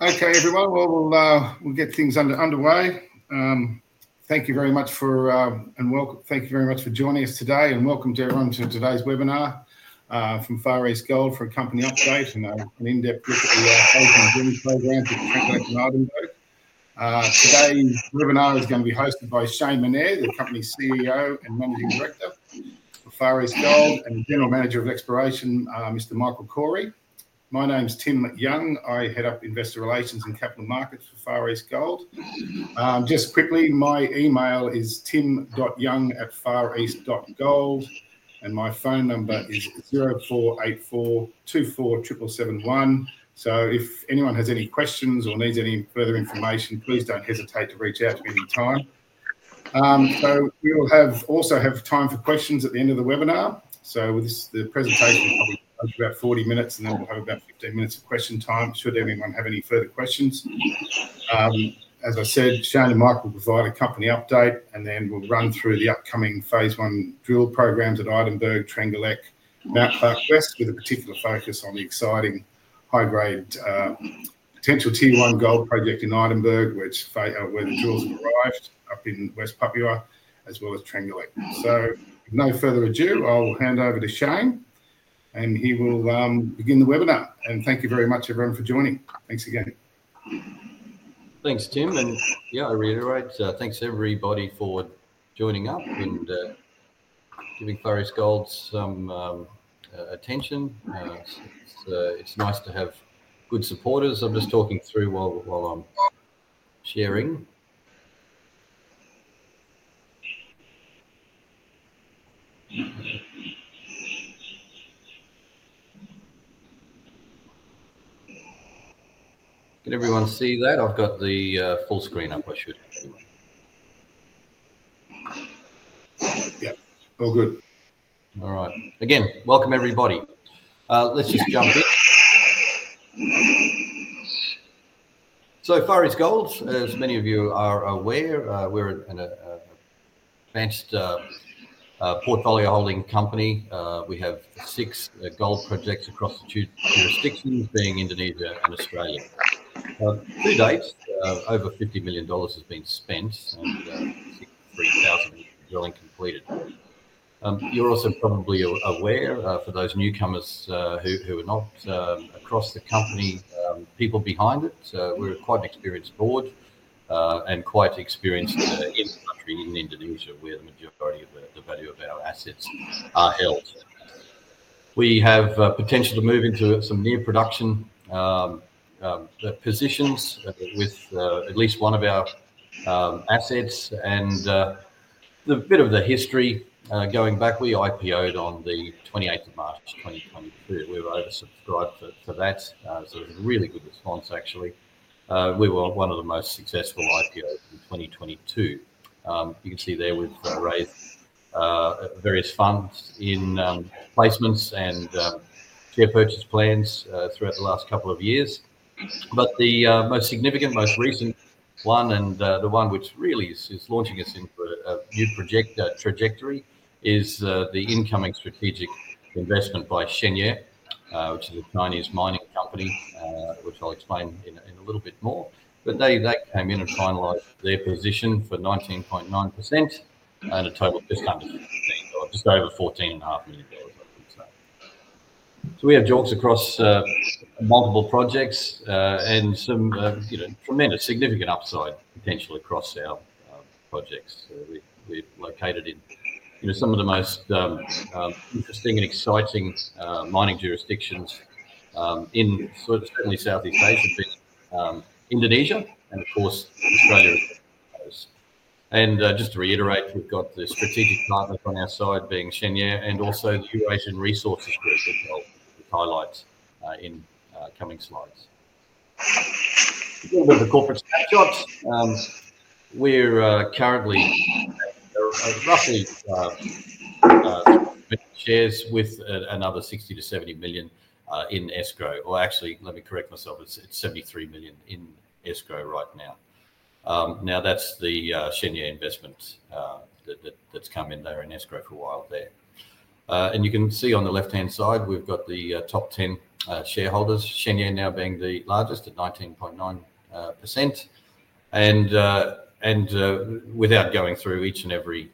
Okay, everyone, we'll get things underway. Thank you very much for, and welcome, thank you very much for joining us today, and welcome to everyone to today's webinar from Far East Gold for a company update and an in-depth look at the program to the transaction of Idenburg. Today's webinar is going to be hosted by Shane Menere, the company CEO and Managing Director of Far East Gold, and the General Manager of Exploration, Mr. Michael Corey. My name's Tim Young. I head up Investor Relations and Capital Markets for Far East Gold. Just quickly, my email is tim.young@fareast.gold, and my phone number is 0484 24 7771. If anyone has any questions or needs any further information, please do not hesitate to reach out at any time. We will also have time for questions at the end of the webinar. The presentation will probably be about 40 minutes, and then we'll have about 15 minutes of question time should anyone have any further questions. As I said, Shane and Michael will provide a company update, and then we'll run through the upcoming phase one drill prog at Idenburg, Trenggalek, Mount Clark West, with a particular focus on the exciting high-grade potential tier one gold project in Idenburg, where the drills have arrived up in West Papua, as well as Trenggalek. With no further ado, I'll hand over to Shane, and he will begin the webinar. Thank you very much, everyone, for joining. Thanks again. Thanks, Tim. Yeah, I reiterate, thanks everybody for joining up and giving Far East Gold some attention. It's nice to have good supporters. I'm just talking through while I'm sharing. Can everyone see that? I've got the full screen up, I should. Yeah, all good. All right. Again, welcome everybody. Let's just jump in. Far East Gold, as many of you are aware, we're an advanced portfolio holding company. We have six gold projects across the two jurisdictions, being Indonesia and Australia. To date, over 50 million dollars has been spent, and 63,000 m drilling completed. You're also probably aware, for those newcomers who are not across the company, people behind it, we're quite an experienced board and quite experienced in the country, in Indonesia, where the majority of the value of our assets are held. We have potential to move into some new production positions with at least one of our assets. A bit of the history, going back, we IPO'd on the 28th of March 2022. We were oversubscribed for that, so it was a really good response, actually. We were one of the most successful IPOs in 2022. You can see there we've raised various funds in placements and share purchase plans throughout the last couple of years. The most significant, most recent one, and the one which really is launching us into a new trajectory, is the incoming strategic investment by Xingye, which is a Chinese mining company, which I'll explain in a little bit more. They came in and finalized their position for 19.9% and a total just under 14 JORC, just over 14.5 million dollars, I think so. We have jolts across multiple projects and some tremendous, significant upside potential across our projects. We're located in some of the most interesting and exciting mining jurisdictions in certainly Southeast Asia, being Indonesia and, of course, Australia. Just to reiterate, we've got the strategic partners on our side, being Xingye, and also the Eurasian Resources Group, which I'll highlight in coming slides. A little bit of the corporate snapshots. We're currently roughly shares with another 60 million-70 million in escrow. Or actually, let me correct myself, it's 73 million in escrow right now. Now, that's the Xingye investment that's come in there in escrow for a while there. You can see on the left-hand side, we've got the top 10 shareholders, Xingye now being the largest at 19.9%. Without going through each and every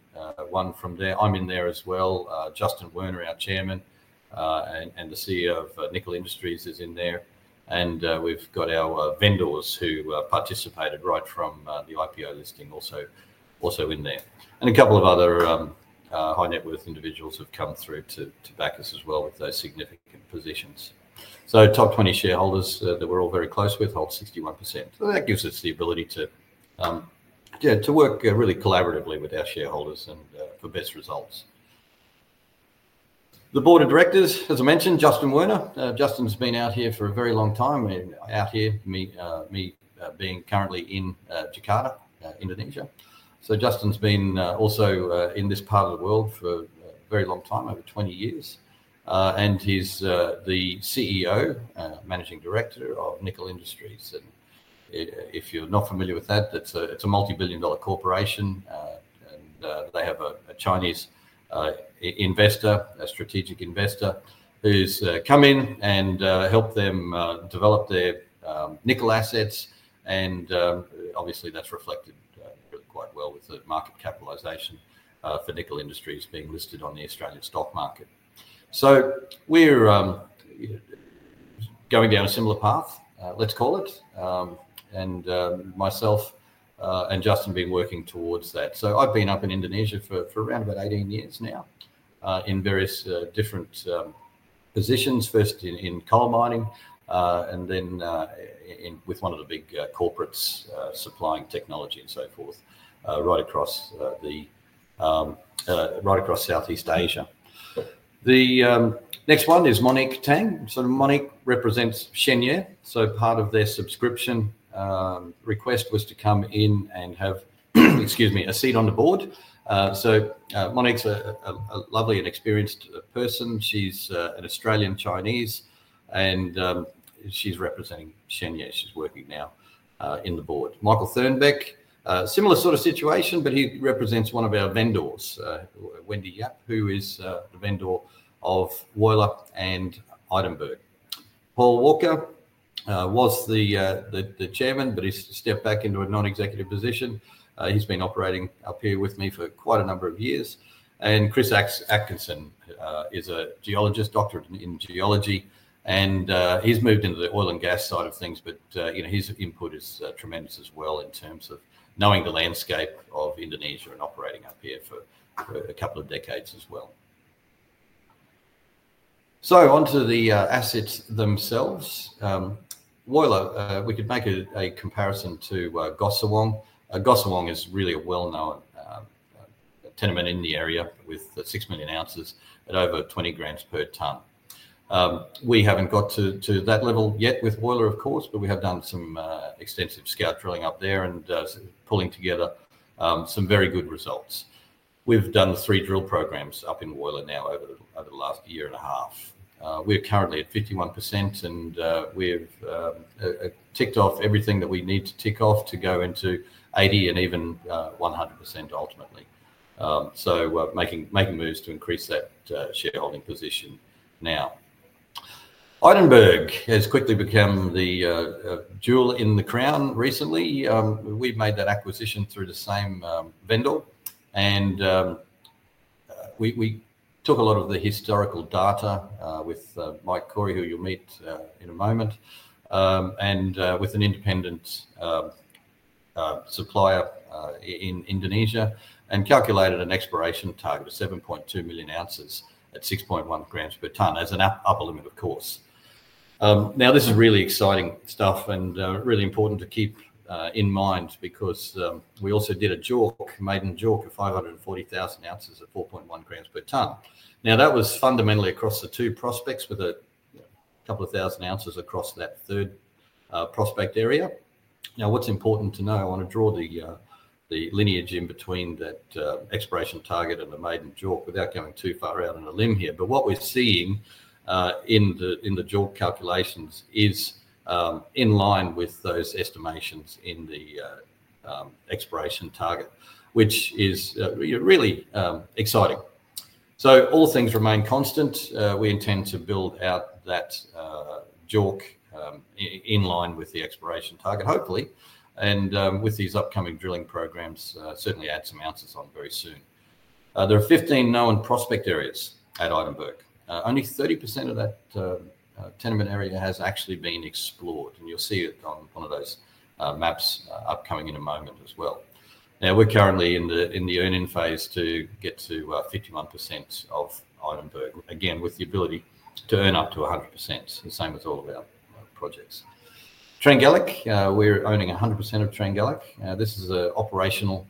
one from there, I'm in there as well. Justin Werner, our Chairman, and the CEO of Nickel Industries is in there. We've got our vendors who participated right from the IPO listing also in there. A couple of other high-net-worth individuals have come through to back us as well with those significant positions. Top 20 shareholders that we're all very close with hold 61%. That gives us the ability to work really collaboratively with our shareholders for best results. The board of directors, as I mentioned, Justin Werner. Justin's been out here for a very long time, out here, me being currently in Jakarta, Indonesia. Justin's been also in this part of the world for a very long time, over 20 years. He's the CEO, Managing Director of Nickel Industries. If you're not familiar with that, it's a multi-billion dollar corporation. They have a Chinese investor, a strategic investor, who's come in and helped them develop their nickel assets. Obviously, that's reflected quite well with the market capitalization for Nickel Industries being listed on the Australian stock market. We're going down a similar path, let's call it, and myself and Justin have been working towards that. I've been up in Indonesia for around about 18 years now in various different positions, first in coal mining and then with one of the big corporates supplying technology and so forth, right across Southeast Asia. The next one is Monique Tang. Monique represents Xingye. Part of their subscription request was to come in and have, excuse me, a seat on the board. Monique's a lovely and experienced person. She's an Australian-Chinese, and she's representing Xingye. She's working now in the board. Michael Thernbeck, similar sort of situation, but he represents one of our vendors, Wendy Yap, who is the vendor of Woyla and Idenburg. Paul Walker was the chairman, but he stepped back into a non-executive position. He's been operating up here with me for quite a number of years. Chris Atkinson is a geologist, doctorate in geology. He's moved into the oil and gas side of things, but his input is tremendous as well in terms of knowing the landscape of Indonesia and operating up here for a couple of decades as well. Onto the assets themselves. Woyla, we could make a comparison to Gosowong. Gosowong is really a well-known tenement in the area with 6 million oz at over 20 g per ton. We have not got to that level yet with Woyla, of course, but we have done some extensive scout drilling up there and pulling together some very good results. We have done three drill prog up in Woyla now over the last year and a half. We are currently at 51%, and we have ticked off everything that we need to tick off to go into 80% and even 100% ultimately. Making moves to increase that shareholding position now. Idenburg has quickly become the jewel in the crown recently. We made that acquisition through the same vendor. We took a lot of the historical data with Mike Corey, who you'll meet in a moment, and with an independent supplier in Indonesia and calculated an exploration target of 7.2 million oz at 6.1 g per ton as an upper limit, of course. Now, this is really exciting stuff and really important to keep in mind because we also did a JORC, made a JORC of 540,000 oz at 4.1 g per ton. That was fundamentally across the two prospects with a couple of thousand oz across that third prospect area. What's important to know, I want to draw the lineage in between that exploration target and the maiden JORC without going too far out on a limb here. What we're seeing in the JORC calculations is in line with those estimations in the exploration target, which is really exciting. All things remain constant. We intend to build out that JORC in line with the exploration target, hopefully, and with these upcoming drilling programs, certainly add some oz on very soon. There are 15 known prospect areas at Idenburg. Only 30% of that tenement area has actually been explored. You'll see it on one of those maps upcoming in a moment as well. We are currently in the earning phase to get to 51% of Idenburg, again, with the ability to earn up to 100%, the same as all of our projects. Trenggalek, we are owning 100% of Trenggalek. This is an operational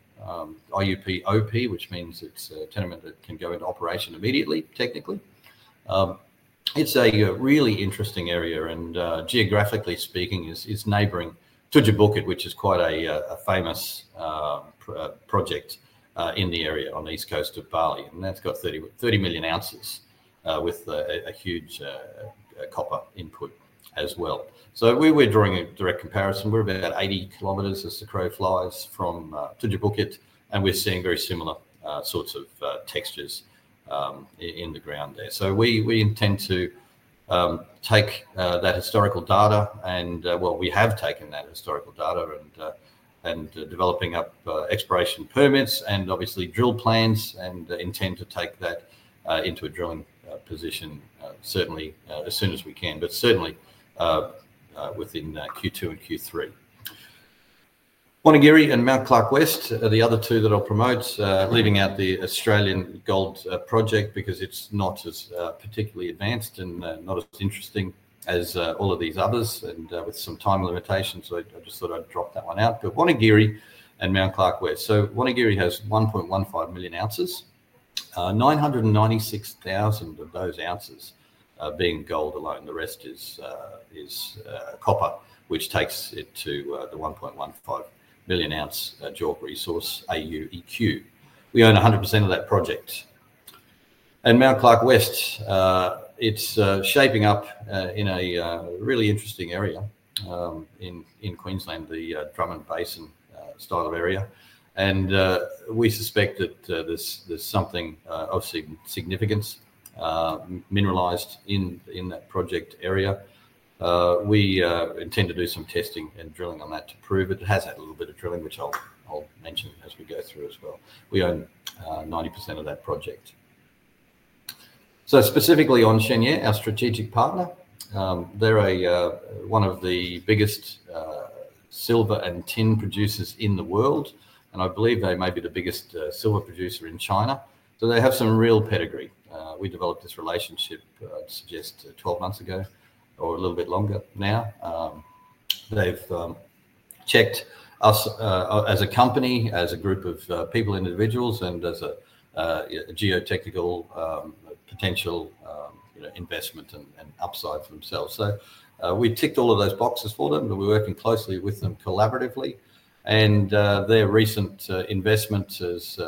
IUP-OP, which means it's a tenement that can go into operation immediately, technically. It's a really interesting area. Geographically speaking, it's neighboring Tujuh Bukit, which is quite a famous project in the area on the east coast of Bali. That's got 30 million oz with a huge copper input as well. We were drawing a direct comparison. We're about 80 km as the crow flies from Tujuh Bukit, and we're seeing very similar sorts of textures in the ground there. We intend to take that historical data, and we have taken that historical data and developing up exploration permits and obviously drill plans and intend to take that into a drilling position certainly as soon as we can, but certainly within Q2 and Q3. Wonogiri and Mount Clark West are the other two that I'll promote, leaving out the Australian gold project because it's not as particularly advanced and not as interesting as all of these others and with some time limitations. I just thought I'd drop that one out. Wonogiri and Mount Clark West. Wonogiri has 1.15 million oz, 996,000 of those oz being gold alone. The rest is copper, which takes it to the 1.15 million ounce JORC resource AuEq. We own 100% of that project. Mount Clark West is shaping up in a really interesting area in Queensland, the Drummond Basin style of area. We suspect that there's something of significance mineralized in that project area. We intend to do some testing and drilling on that to prove it. It has had a little bit of drilling, which I'll mention as we go through as well. We own 90% of that project. Specifically on Xingye, our strategic partner, they're one of the biggest silver and tin producers in the world. I believe they may be the biggest silver producer in China. They have some real pedigree. We developed this relationship, I'd suggest, 12 months ago or a little bit longer now. They've checked us as a company, as a group of people, individuals, and as a geotechnical potential investment and upside for themselves. We ticked all of those boxes for them, but we're working closely with them collaboratively. Their recent investment has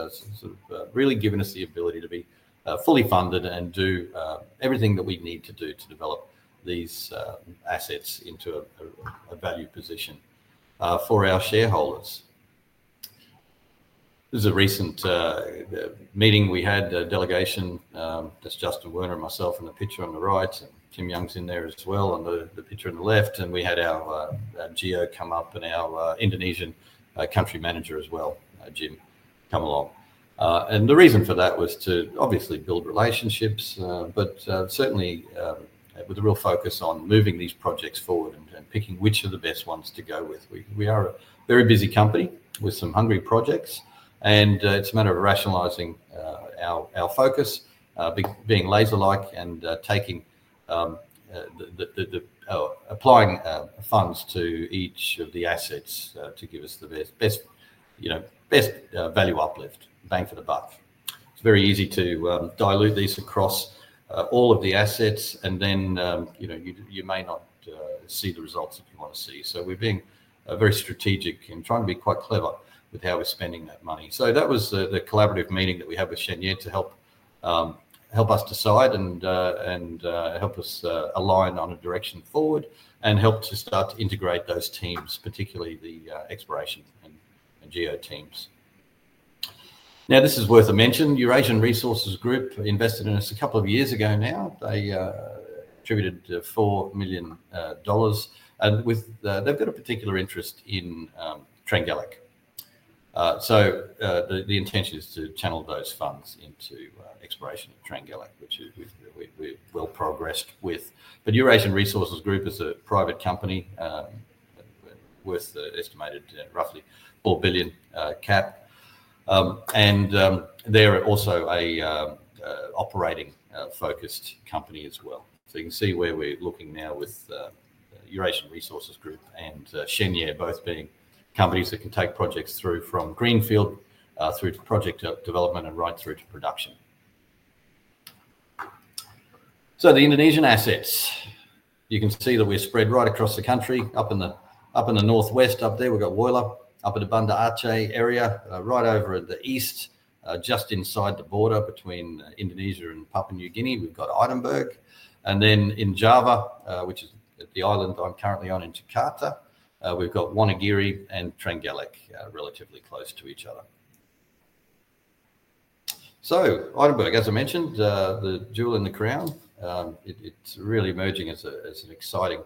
really given us the ability to be fully funded and do everything that we need to do to develop these assets into a value position for our shareholders. There's a recent meeting we had, a delegation. That's Justin Werner and myself in the picture on the right. Tim Young is in there as well on the picture on the left. We had our geo come up and our Indonesian country manager as well, Jim, come along. The reason for that was to obviously build relationships, but certainly with a real focus on moving these projects forward and picking which are the best ones to go with. We are a very busy company with some hungry projects. It is a matter of rationalizing our focus, being laser-like and applying funds to each of the assets to give us the best value uplift, bang for the buck. It is very easy to dilute these across all of the assets, and then you may not see the results that you want to see. We are being very strategic and trying to be quite clever with how we are spending that money. That was the collaborative meeting that we had with Xingye to help us decide and help us align on a direction forward and help to start to integrate those teams, particularly the exploration and geo teams. Now, this is worth a mention. Eurasian Resources Group invested in us a couple of years ago now. They attributed 4 million dollars. They have got a particular interest in Trenggalek. The intention is to channel those funds into exploration of Trenggalek, which we have well progressed with. Eurasian Resources Group is a private company worth the estimated roughly 4 billion cap. They are also an operating-focused company as well. You can see where we are looking now with Eurasian Resources Group and Xingye, both being companies that can take projects through from greenfield through to project development and right through to production. The Indonesian assets, you can see that we are spread right across the country. Up in the northwest, up there, we have got Woyla, up in the Banda Aceh area, right over in the east, just inside the border between Indonesia and Papua New Guinea, we have got Idenburg. In Java, which is the island I'm currently on in Jakarta, we've got Wonogiri and Trenggalek relatively close to each other. Idenburg, as I mentioned, the jewel in the crown, it's really emerging as an exciting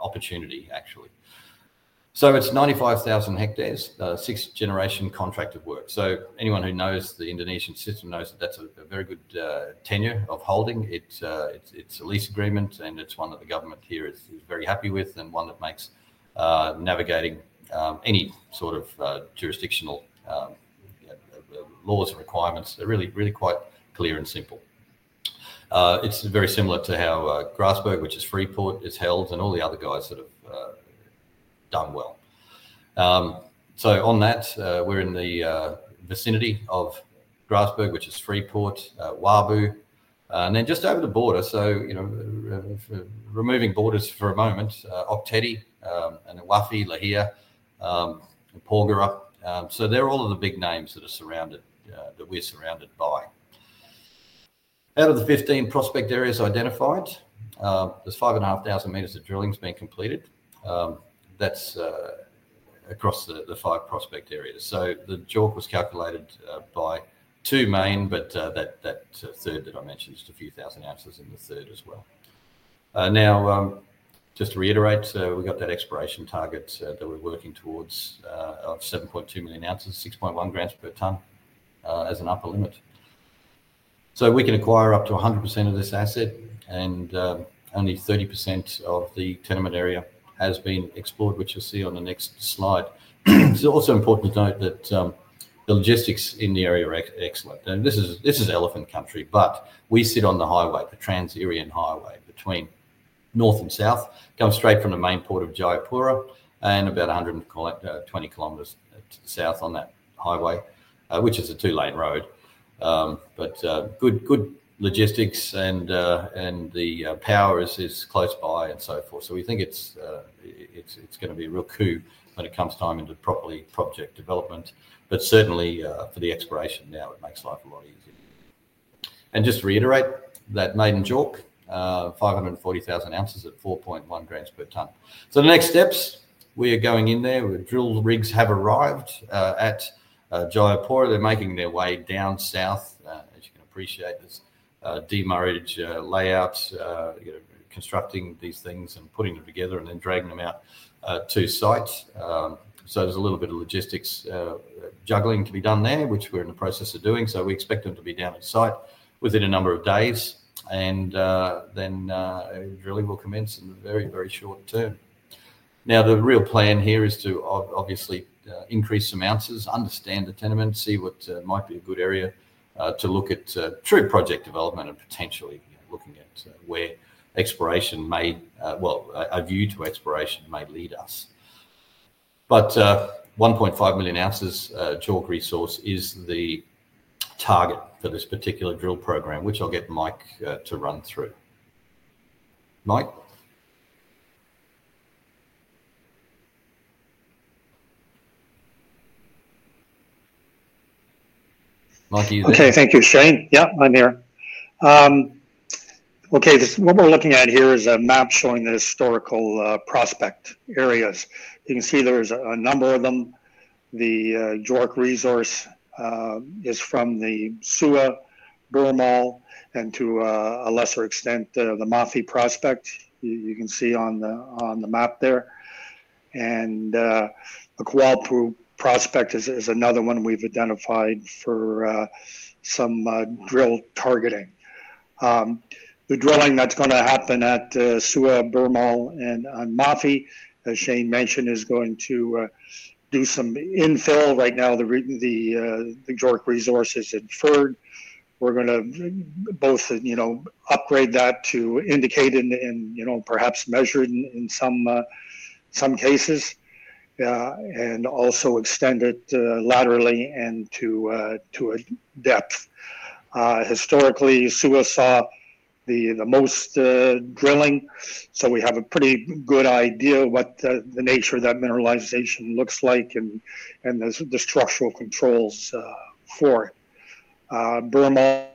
opportunity, actually. It's 95,000 hectares, 6th generation contract of work. Anyone who knows the Indonesian system knows that that's a very good tenure of holding. It's a lease agreement, and it's one that the government here is very happy with and one that makes navigating any sort of jurisdictional laws and requirements really quite clear and simple. It's very similar to how Grasberg, which is Freeport, is held, and all the other guys that have done well. On that, we're in the vicinity of Grasberg, which is Freeport, Wabu, and then just over the border. Removing borders for a moment, Ok Tedi, and Wafi, Lihir, and Porgera. They're all of the big names that we're surrounded by. Out of the 15 prospect areas identified, there's 5,500 m of drilling that's been completed. That's across the five prospect areas. The JORC was calculated by two main, but that third that I mentioned is just a few thousand oz in the third as well. Now, just to reiterate, we've got that exploration target that we're working towards of 7.2 million oz, 6.1 g per ton as an upper limit. We can acquire up to 100% of this asset, and only 30% of the tenement area has been explored, which you'll see on the next slide. It's also important to note that the logistics in the area are excellent. This is elephant country, but we sit on the highway, the Trans-Papua highway between north and south, comes straight from the main port of Jayapura and about 120 km south on that highway, which is a two-lane road. Good logistics and the power is close by and so forth. We think it's going to be a real coup when it comes time into properly project development. Certainly for the exploration now, it makes life a lot easier. Just to reiterate that maiden JORC, 540,000 oz at 4.1 g per ton. The next steps, we are going in there. The drill rigs have arrived at Jayapura. They're making their way down south. As you can appreciate, there's demurrage layouts, constructing these things and putting them together and then dragging them out to site. There is a little bit of logistics juggling to be done there, which we are in the process of doing. We expect them to be down at site within a number of days, and then drilling will commence in the very, very short term. Now, the real plan here is to obviously increase some oz, understand the tenement, see what might be a good area to look at true project development and potentially looking at where exploration may, well, a view to exploration may lead us. But 1.5 million oz JORC resource is the target for this particular drill program, which I will get Mike to run through. Mike? Mikey, you there. Okay. Thank you, Shane. Yep, I'm here. Okay. What we're looking at here is a map showing the historical prospect areas. You can see there's a number of them. The JORC resource is from the Sua, Bermol, and to a lesser extent, the Mafi prospect. You can see on the map there. And the Kwaplu prospect is another one we've identified for some drill targeting. The drilling that's going to happen at Sua, Bermol, and Mafi, as Shane mentioned, is going to do some infill. Right now, the JORC resource is inferred. We're going to both upgrade that to indicated and perhaps measured in some cases and also extend it laterally and to a depth. Historically, Sua saw the most drilling. You know, we have a pretty good idea of what the nature of that mineralization looks like and the structural controls for it. Bermol.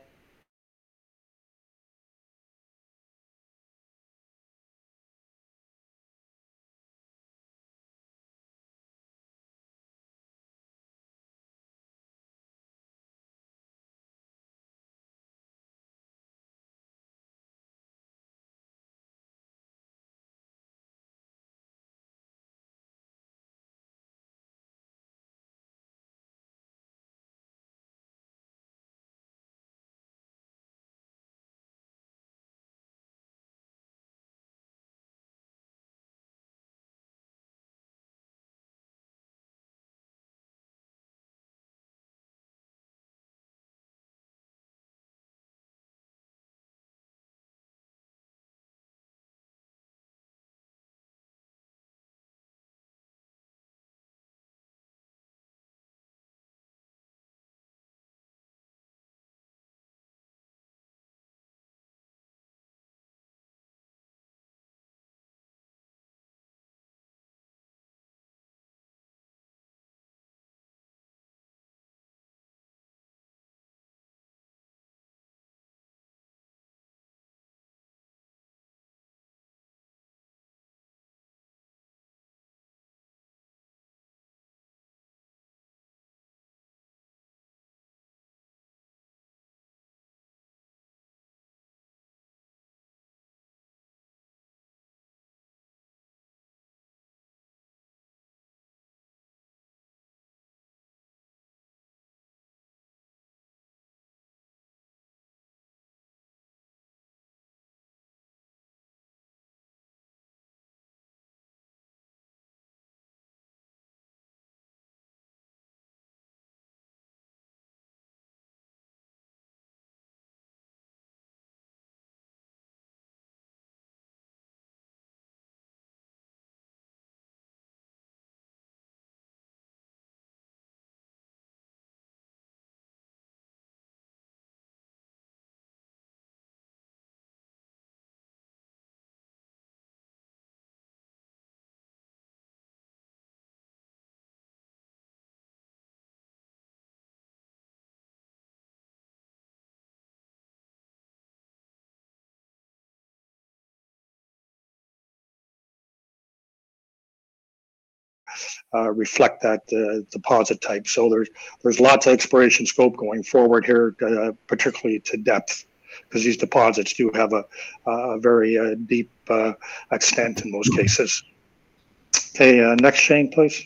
Reflect that deposit type. There is lots of exploration scope going forward here, particularly to depth, because these deposits do have a very deep extent in most cases. Okay. Next, Shane, please.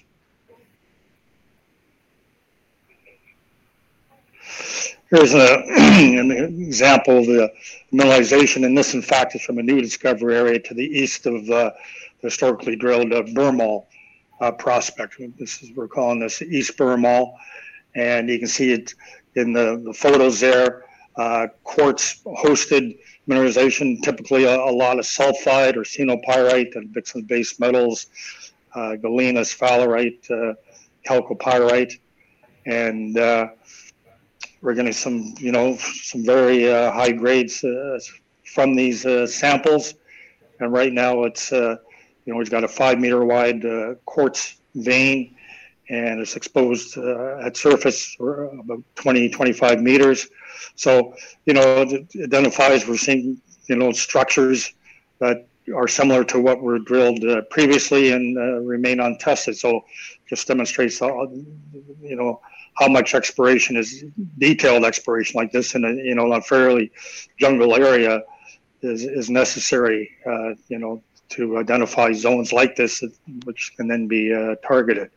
Here is an example of the mineralization. This, in fact, is from a new discovery area to the east of the historically drilled Bermol prospect. We are calling this East Bermol. You can see it in the photos there, quartz-hosted mineralization, typically a lot of sulfide or chalcopyrite and some base metals, galena, sphalerite, chalcopyrite. We are getting some very high grades from these samples. Right now, we have a 5 m wide quartz vein, and it is exposed at surface about 20-25 m. It identifies we are seeing structures that are similar to what were drilled previously and remain untested. It just demonstrates how much exploration is detailed exploration like this in a fairly jungle area is necessary to identify zones like this, which can then be targeted.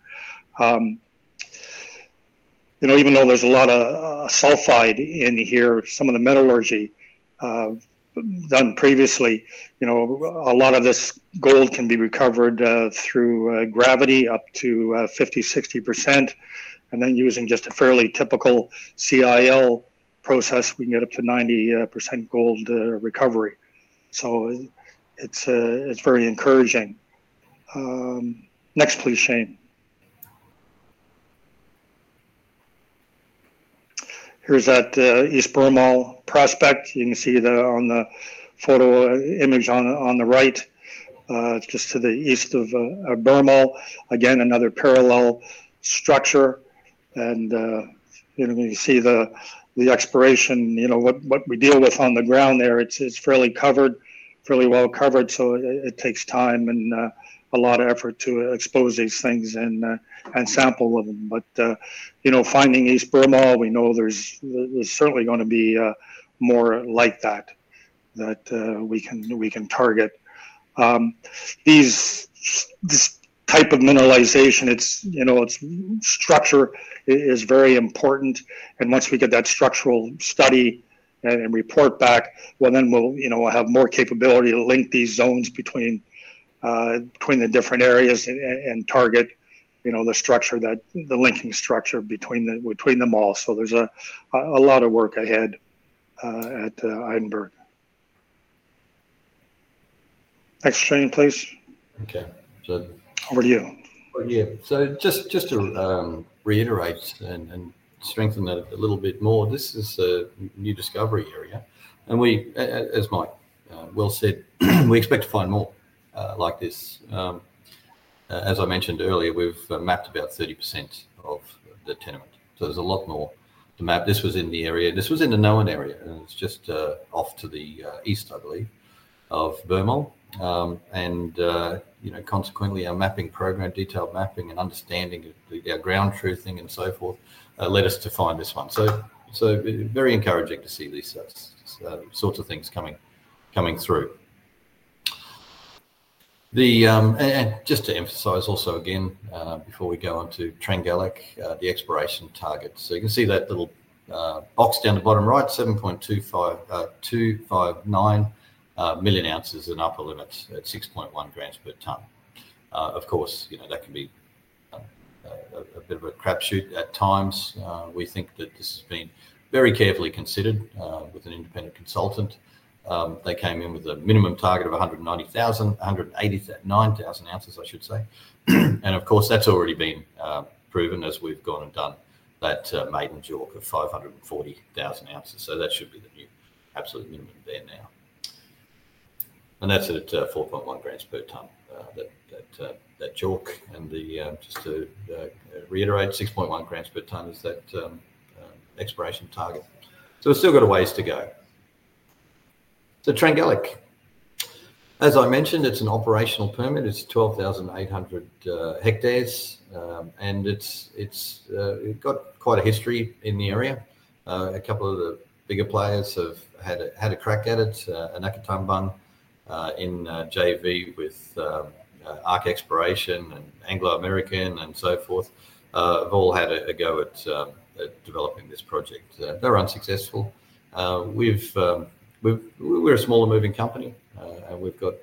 Even though there is a lot of sulfide in here, some of the metallurgy done previously, a lot of this gold can be recovered through gravity up to 50%-60%. And then using just a fairly typical CIL process, we can get up to 90% gold recovery. It is very encouraging. Next, please, Shane. Here is that East Bermol prospect. You can see on the photo image on the right, just to the east of Bermol. Again, another parallel structure. You can see the exploration, what we deal with on the ground there. It is fairly covered, fairly well covered. It takes time and a lot of effort to expose these things and sample them. Finding East Bermol, we know there's certainly going to be more like that that we can target. This type of mineralization, its structure is very important. Once we get that structural study and report back, then we'll have more capability to link these zones between the different areas and target the linking structure between them all. There is a lot of work ahead at Idenburg. Next, Shane, please. Okay. Good. Over to you. Over to you. Just to reiterate and strengthen that a little bit more, this is a new discovery area. As Mike well said, we expect to find more like this. As I mentioned earlier, we have mapped about 30% of the tenement. There is a lot more to map. This was in the area. This was in the known area. It is just off to the east, I believe, of Bermol. Consequently, our mapping program, detailed mapping and understanding, our ground truthing and so forth, led us to find this one. Very encouraging to see these sorts of things coming through. Just to emphasize also again before we go on to Trenggalek, the exploration target. You can see that little box down the bottom right, 7.259 million oz in upper limits at 6.1 g per ton. Of course, that can be a bit of a crapshoot at times. We think that this has been very carefully considered with an independent consultant. They came in with a minimum target of 190,000, 189,000 oz, I should say. Of course, that's already been proven as we've gone and done that maiden JORC of 540,000 oz. That should be the new absolute minimum there now. That's at 4.1 g per ton, that JORC. Just to reiterate, 6.1 g per ton is that exploration target. We've still got a ways to go. Trenggalek, as I mentioned, it's an operational permit. It's 12,800 hectares. It's got quite a history in the area. A couple of the bigger players have had a crack at it, Aneka Tambang in JV with ARC Exploration and Anglo American and so forth have all had a go at developing this project. They're unsuccessful. We're a smaller moving company. And we've got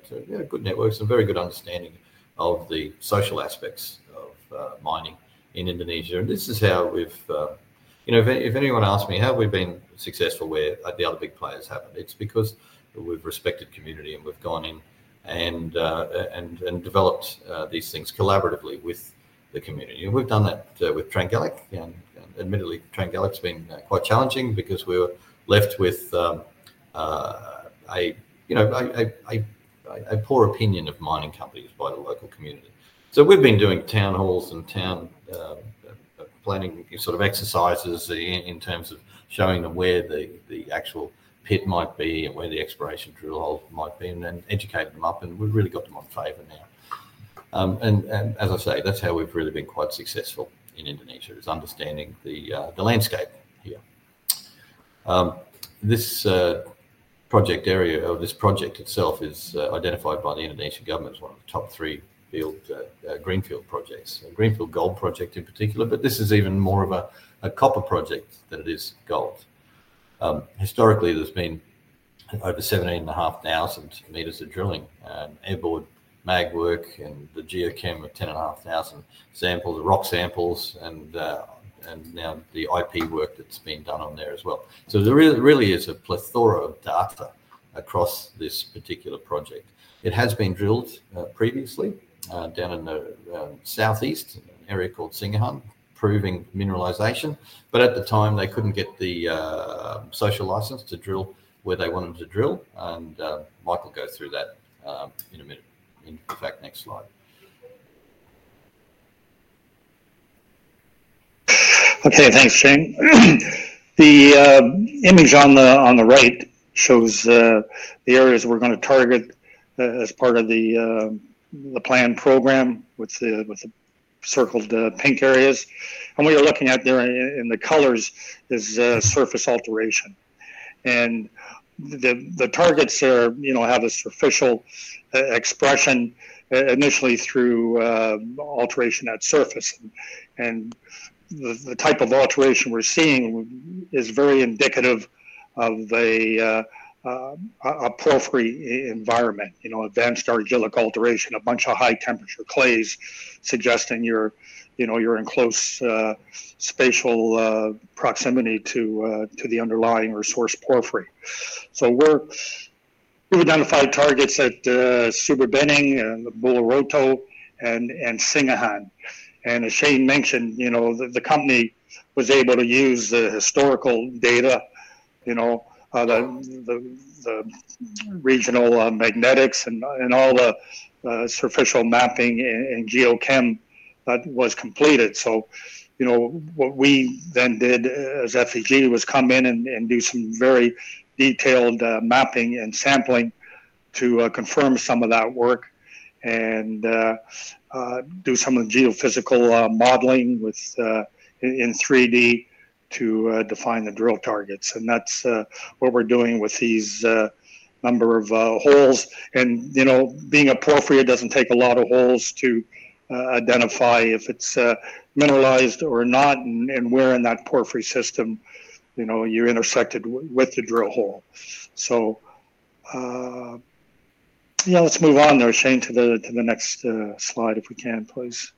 good networks and very good understanding of the social aspects of mining in Indonesia. This is how we've, if anyone asked me how we've been successful where the other big players haven't, it's because we've respected community and we've gone in and developed these things collaboratively with the community. We've done that with Trenggalek. Admittedly, Trenggalek has been quite challenging because we were left with a poor opinion of mining companies by the local community. We've been doing town halls and town planning sort of exercises in terms of showing them where the actual pit might be and where the exploration drill holes might be and then educating them up. We've really got them on favor now. As I say, that's how we've really been quite successful in Indonesia, is understanding the landscape here. This project area or this project itself is identified by the Indonesian government as one of the top three greenfield projects, a greenfield gold project in particular. This is even more of a copper project than it is gold. Historically, there's been over 17,500 m of drilling, airborne mag work, and the geochem of 10,500 samples, rock samples, and now the IP work that's been done on there as well. There really is a plethora of data across this particular project. It has been drilled previously down in the southeast, an area called Singgahan, proving mineralization. At the time, they couldn't get the social license to drill where they wanted to drill. Michael goes through that in a minute. In fact, next slide. Okay. Thanks, Shane. The image on the right shows the areas we're going to target as part of the planned program with the circled pink areas. What you're looking at there in the colors is surface alteration. The targets have a surficial expression initially through alteration at surface. The type of alteration we're seeing is very indicative of a porphyry environment, advanced argillic alteration, a bunch of high-temperature clays suggesting you're in close spatial proximity to the underlying resource porphyry. We've identified targets at Sumber Bening, Buluroto, and Singgahan. As Shane mentioned, the company was able to use the historical data, the regional magnetics, and all the surficial mapping and geochem that was completed. What we then did as FEG was come in and do some very detailed mapping and sampling to confirm some of that work and do some of the geophysical modeling in 3D to define the drill targets. That is what we are doing with these number of holes. Being a porphyry, it does not take a lot of holes to identify if it is mineralized or not, and where in that porphyry system you are intersected with the drill hole. Let's move on there, Shane, to the next slide if we can, please.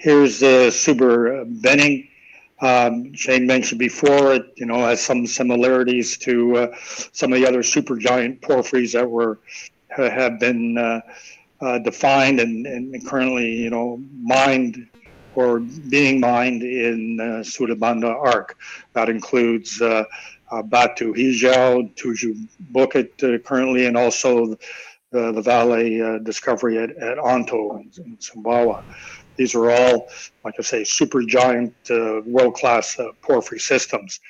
Here is Sumber Bening. Shane mentioned before it has some similarities to some of the other super giant porphyries that have been defined and currently mined or being mined in the Sunda-Banda Arc. That includes Batu Hijau, Tujuh Bukit currently, and also the Valley Discovery at Onto in Sumbawa. These are all, like I say, super giant world-class porphyry systems.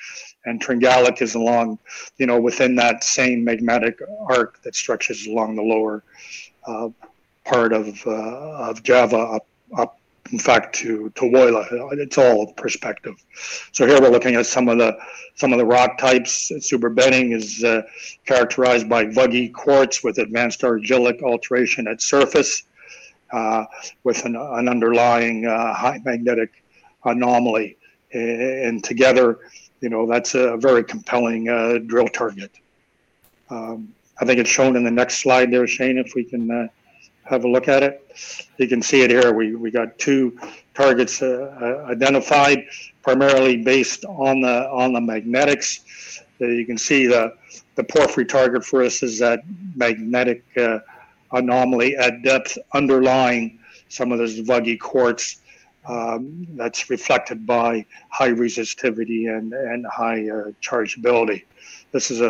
Trenggalek is along within that same magmatic arc that stretches along the lower part of Java up, in fact, to Woyla. It's all perspective. Here we're looking at some of the rock types. Sumber Bening is characterized by buggy quartz with advanced argillic alteration at surface with an underlying high magnetic anomaly. Together, that's a very compelling drill target. I think it's shown in the next slide there, Shane, if we can have a look at it. You can see it here. We got two targets identified primarily based on the magnetics. You can see the porphyry target for us is that magnetic anomaly at depth underlying some of those buggy quartz that's reflected by high resistivity and high chargeability. This is,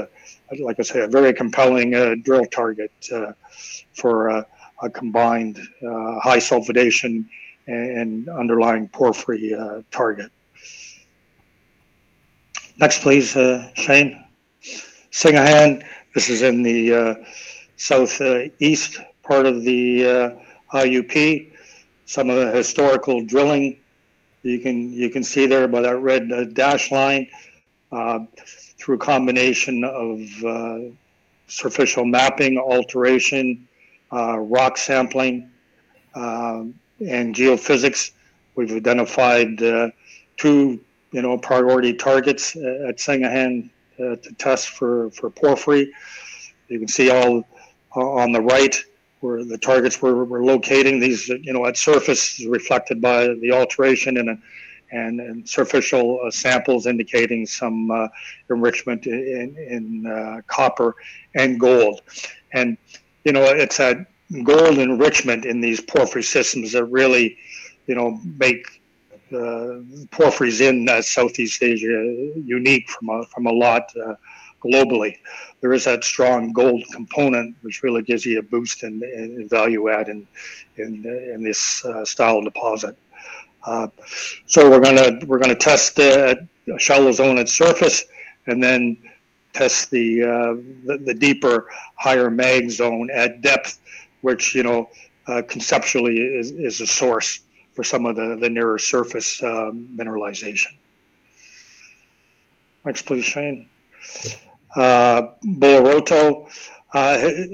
like I say, a very compelling drill target for a combined high-sulfidation and underlying porphyry target. Next, please, Shane. Singgahan. This is in the southeast part of the IUP. Some of the historical drilling you can see there by that red dashed line through a combination of surficial mapping, alteration, rock sampling, and geophysics. We've identified two priority targets at Singgahan to test for porphyry. You can see all on the right where the targets we're locating at surface is reflected by the alteration and surficial samples indicating some enrichment in copper and gold. It is that gold enrichment in these porphyry systems that really make porphyry in Southeast Asia unique from a lot globally. There is that strong gold component, which really gives you a boost in value add in this style deposit. We are going to test a shallow zone at surface and then test the deeper, higher mag zone at depth, which conceptually is a source for some of the nearer surface mineralization. Next, please, Shane. Buluroto.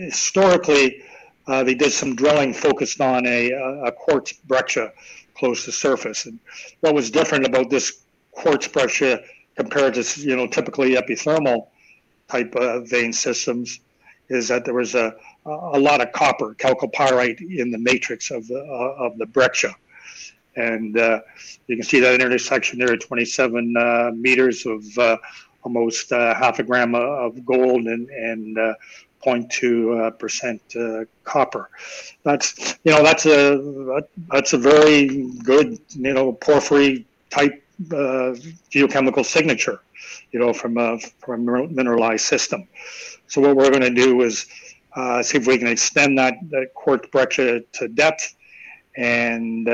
Historically, they did some drilling focused on a quartz breccia close to surface. What was different about this quartz breccia compared to typically epithermal type vein systems is that there was a lot of copper, chalcopyrite, in the matrix of the breccia. You can see that intersection there at 27 m of almost 0.5 g of gold and 0.2% copper. That is a very good porphyry type geochemical signature from a mineralized system. What we are going to do is see if we can extend that quartz breccia to depth and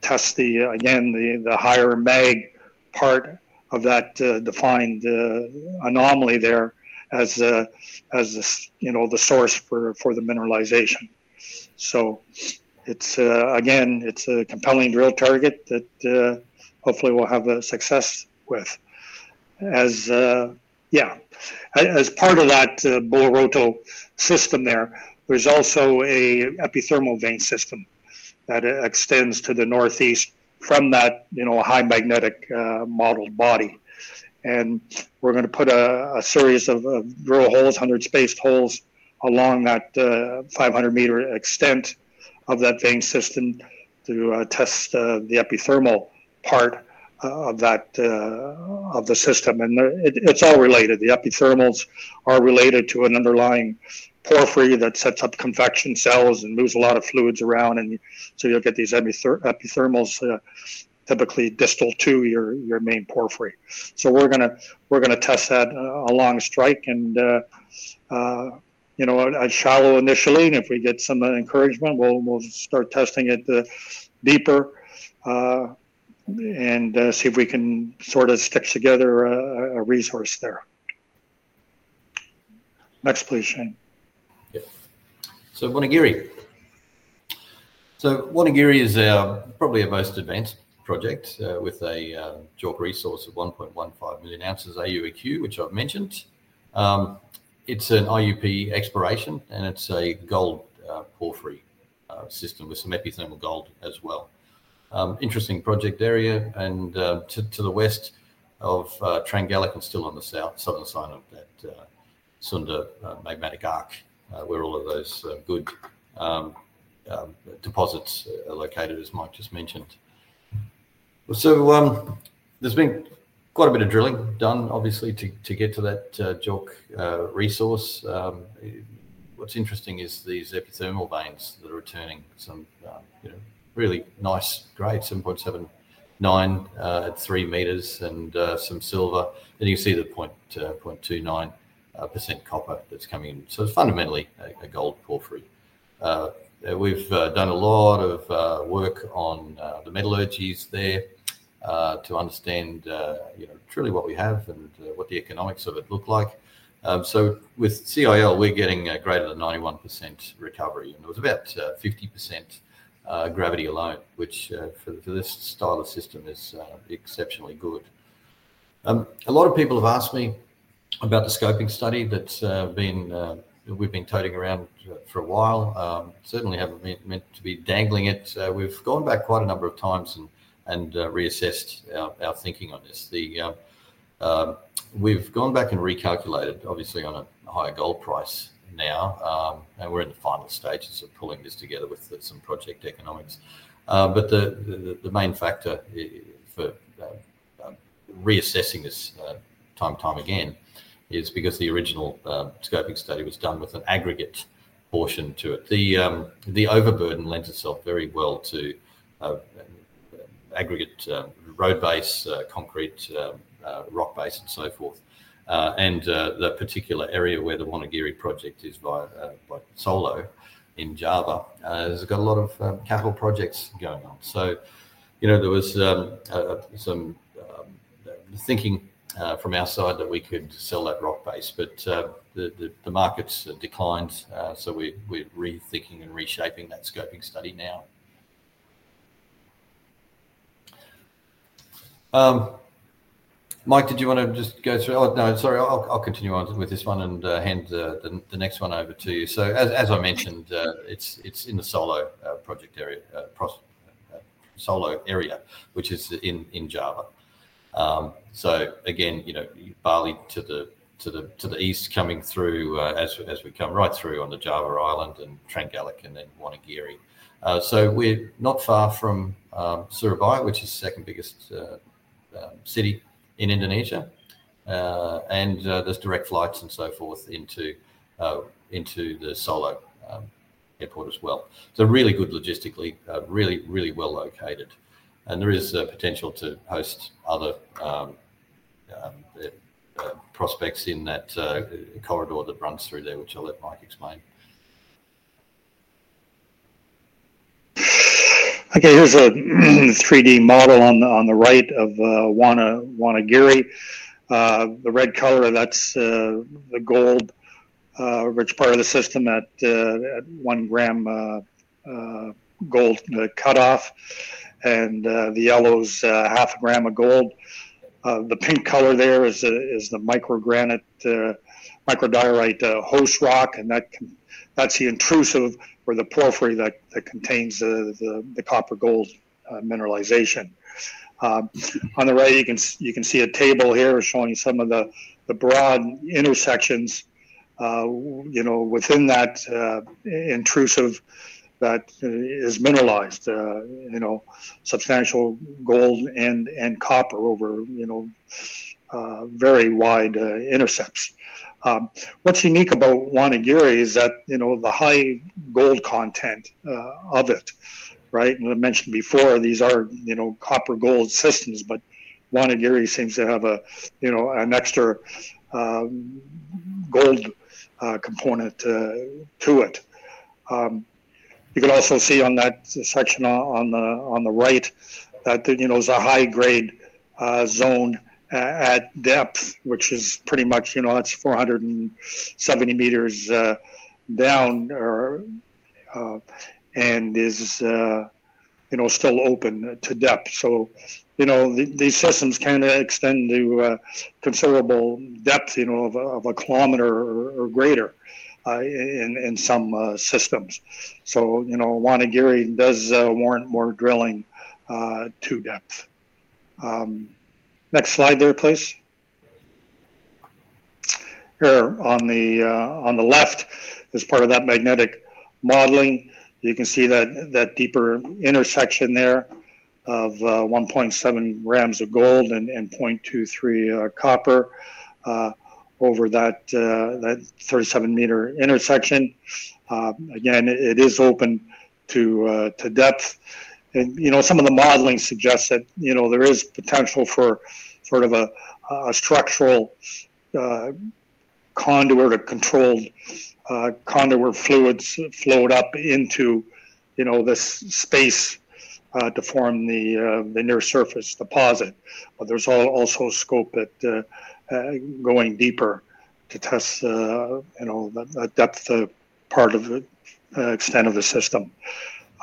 test, again, the higher mag part of that defined anomaly there as the source for the mineralization. It is a compelling drill target that hopefully we will have success with. As part of that Buluroto system there, there is also an epithermal vein system that extends to the northeast from that high magnetic modeled body. We're going to put a series of drill holes, 100 spaced holes along that 500-m extent of that vein system to test the epithermal part of the system. It is all related. The epithermals are related to an underlying porphyry that sets up convection cells and moves a lot of fluids around. You will get these epithermals typically distal to your main porphyry. We are going to test that along strike and shallow initially. If we get some encouragement, we will start testing it deeper and see if we can sort of stitch together a resource there. Next, please, Shane. Yes. Wonogiri is probably our most advanced project with a gold porphyry resource of 1.15 million oz AuEq, which I have mentioned. It is an IUP exploration. It is a gold porphyry system with some epithermal gold as well. Interesting project area. To the west of Trenggalek and still on the southern side of that Sunda Magmatic Arc where all of those good deposits are located, as Mike just mentioned. There has been quite a bit of drilling done, obviously, to get to that JORC resource. What is interesting is these epithermal veins that are returning some really nice grade, 7.79 at 3 m, and some silver. You see the 0.29% copper that is coming in. It is fundamentally a gold porphyry. We have done a lot of work on the metallurgies there to understand truly what we have and what the economics of it look like. With CIL, we're getting greater than 91% recovery. It was about 50% gravity alone, which for this style of system is exceptionally good. A lot of people have asked me about the scoping study that we've been touting around for a while. Certainly haven't meant to be dangling it. We've gone back quite a number of times and reassessed our thinking on this. We've gone back and recalculated, obviously, on a higher gold price now. We're in the final stages of pulling this together with some project economics. The main factor for reassessing this time and time again is because the original scoping study was done with an aggregate portion to it. The overburden lends itself very well to aggregate road base, concrete, rock base, and so forth. The particular area where the Wonogiri project is by Solo in Java has got a lot of capital projects going on. There was some thinking from our side that we could sell that rock base. The markets declined. We are rethinking and reshaping that scoping study now. Mike, did you want to just go through? Oh, no. Sorry. I'll continue on with this one and hand the next one over to you. As I mentioned, it's in the Solo project area, Solo area, which is in Java. Bali to the east coming through as we come right through on the Java Island and Trenggalek and then Wonogiri. We are not far from Surabaya, which is the second biggest city in Indonesia. There are direct flights and so forth into the Solo airport as well. Really good logistically, really, really well located. There is potential to host other prospects in that corridor that runs through there, which I'll let Mike explain. Okay. Here's a 3D model on the right of Wonogiri. The red color, that's the gold, which part of the system at 1 gram gold cutoff. And the yellow's half a gram of gold. The pink color there is the micro diorite host rock. And that's the intrusive or the porphyry that contains the copper-gold mineralization. On the right, you can see a table here showing some of the broad intersections within that intrusive that is mineralized, substantial gold and copper over very wide intercepts. What's unique about Wonogiri is that the high gold content of it, right? And I mentioned before, these are copper-gold systems. But Wonogiri seems to have an extra gold component to it. You can also see on that section on the right that there's a high-grade zone at depth, which is pretty much that's 470 m down and is still open to depth. These systems can extend to considerable depth of a km or greater in some systems. Wonogiri does warrant more drilling to depth. Next slide there, please. Here on the left is part of that magnetic modeling. You can see that deeper intersection there of 1.7 g of gold and 0.23 copper over that 37-m intersection. Again, it is open to depth. Some of the modeling suggests that there is potential for sort of a structural conduit or controlled conduit fluids flowed up into this space to form the near surface deposit. There is also scope at going deeper to test that depth part of the extent of the system.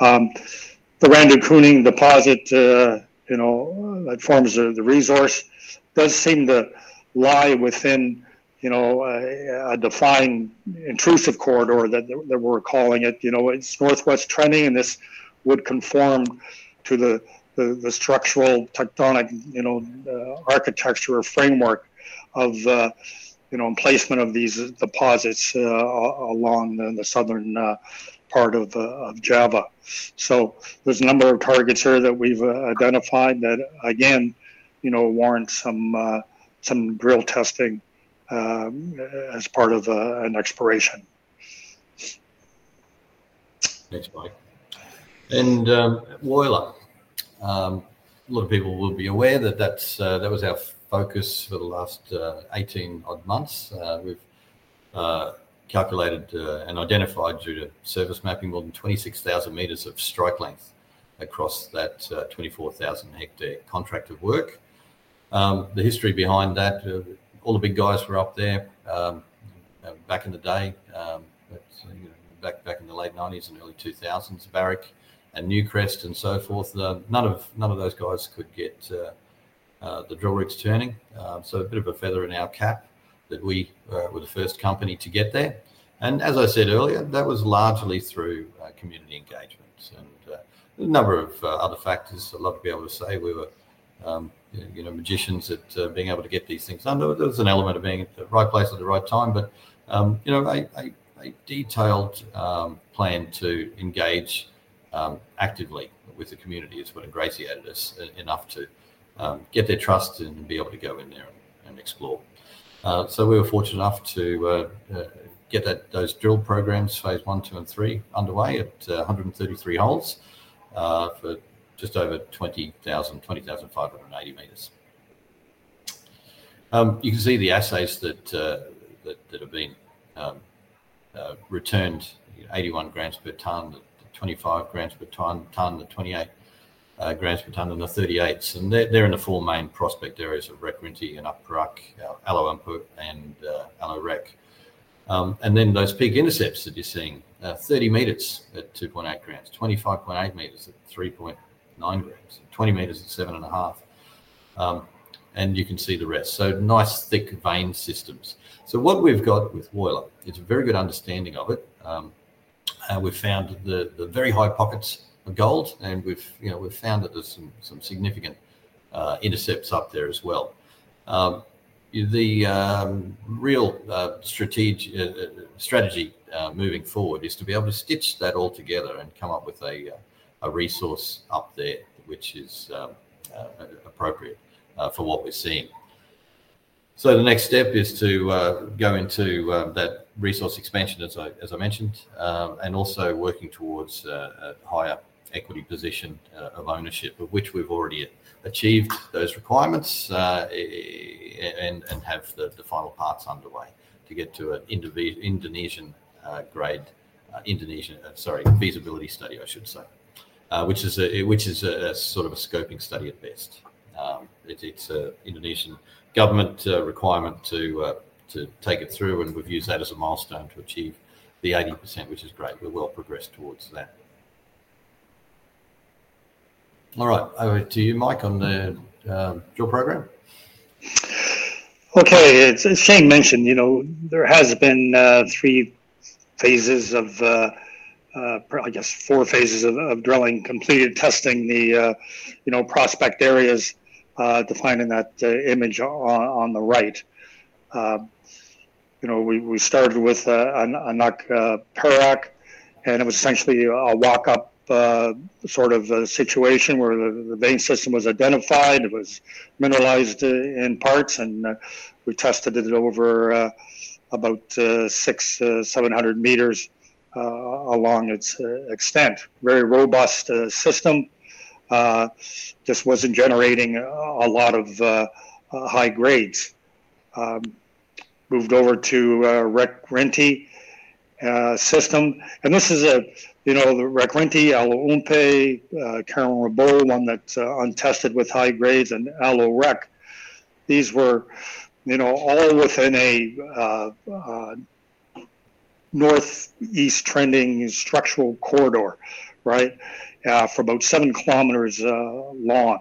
The Randu Kuning deposit that forms the resource does seem to lie within a defined intrusive corridor that we're calling it. It's northwest trending. This would conform to the structural tectonic architecture or framework of placement of these deposits along the southern part of Java. There are a number of targets here that we've identified that, again, warrant some drill testing as part of an exploration. Next, Mike. Woyla. A lot of people will be aware that that was our focus for the last 18-odd months. We've calculated and identified, due to surface mapping, more than 26,000 m of strike length across that 24,000-hectare contract of work. The history behind that, all the big guys were up there back in the day, back in the late 1990s and early 2000s, Barrick and Newcrest and so forth. None of those guys could get the drill rigs turning. A bit of a feather in our cap that we were the first company to get there. As I said earlier, that was largely through community engagement. A number of other factors, I'd love to be able to say we were magicians at being able to get these things under. There was an element of being at the right place at the right time. A detailed plan to engage actively with the community is what ingratiated us enough to get their trust and be able to go in there and explore. We were fortunate enough to get those drill programs, phase I, II, and III, underway at 133 holes for just over 20,580 m. You can see the assays that have been returned, 81 g per tonne, 25 g per tonne, 28 g per tonne, and the 38th. They are in the four main prospect areas of Rek Rinti, Anak Perak, Aloe Eumpeuk, and Aloe Rek. Those big intercepts that you are seeing, 30 m at 2.8 g, 25.8 m at 3.9 g, 20 m at 7.5 g. You can see the rest. Nice thick vein systems. What we have with Woyla, it is a very good understanding of it. We have found the very high pockets of gold. We've found that there's some significant intercepts up there as well. The real strategy moving forward is to be able to stitch that all together and come up with a resource up there which is appropriate for what we're seeing. The next step is to go into that resource expansion, as I mentioned, and also working towards a higher equity position of ownership, of which we've already achieved those requirements and have the final parts underway to get to an Indonesian-grade, sorry, feasibility study, I should say, which is sort of a scoping study at best. It's an Indonesian government requirement to take it through. We've used that as a milestone to achieve the 80%, which is great. We're well progressed towards that. All right. Over to you, Mike, on the drill program. Okay. As Shane mentioned, there has been three phases of, I guess, four phases of drilling completed, testing the prospect areas defined in that image on the right. We started with Anak Perak. And it was essentially a walk-up sort of situation where the vein system was identified. It was mineralized in parts. And we tested it over about 6,700 m along its extent. Very robust system. Just was not generating a lot of high grades. Moved over to Rek Rinti system. This is the Rek Rinti, Aloe Eumpeuk, Karang Rebol, one that is untested with high grades, and Aloe Rek. These were all within a northeast trending structural corridor, right, for about 7 km long.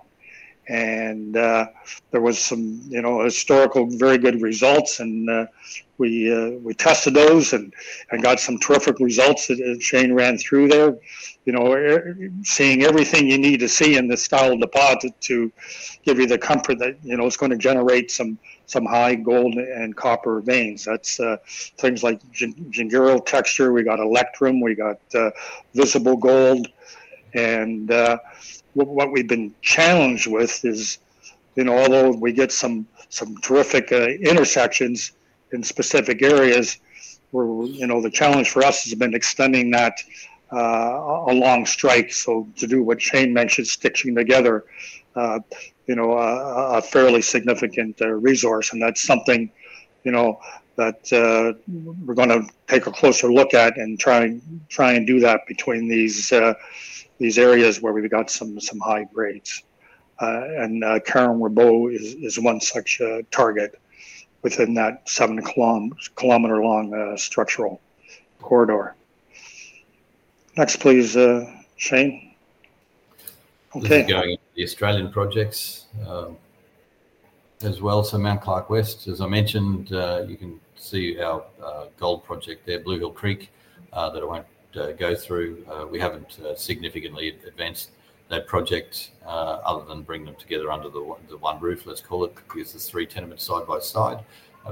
There was some historical very good results. We tested those and got some terrific results that Shane ran through there, seeing everything you need to see in the style of deposit to give you the comfort that it's going to generate some high gold and copper veins. That's things like gingero texture. We got electrum. We got visible gold. What we've been challenged with is, although we get some terrific intersections in specific areas, the challenge for us has been extending that along strike. To do what Shane mentioned, stitching together a fairly significant resource. That's something that we're going to take a closer look at and try and do that between these areas where we've got some high grades. Karang Rebol is one such target within that 7-km-long structural corridor. Next, please, Shane. Okay. We're going into the Australian projects as well. Mount Clark West, as I mentioned, you can see our gold project there, Blue Hill Creek, that I won't go through. We haven't significantly advanced that project other than bringing them together under the one roof, let's call it, because there are three tenements side by side.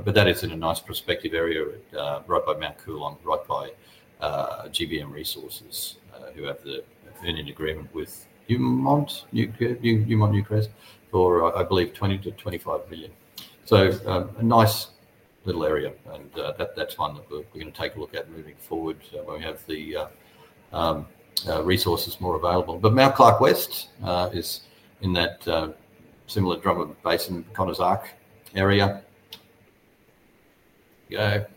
That is in a nice prospective area right by Mount Coolon, right by GBM Resources, who have the earning agreement with Newmont, Newmont, Newcrest, for, I believe, 20 million-25 million. A nice little area. That's one that we're going to take a look at moving forward when we have the resources more available. Mount Clark West is in that similar Drummond Basin, Konazark area. Mount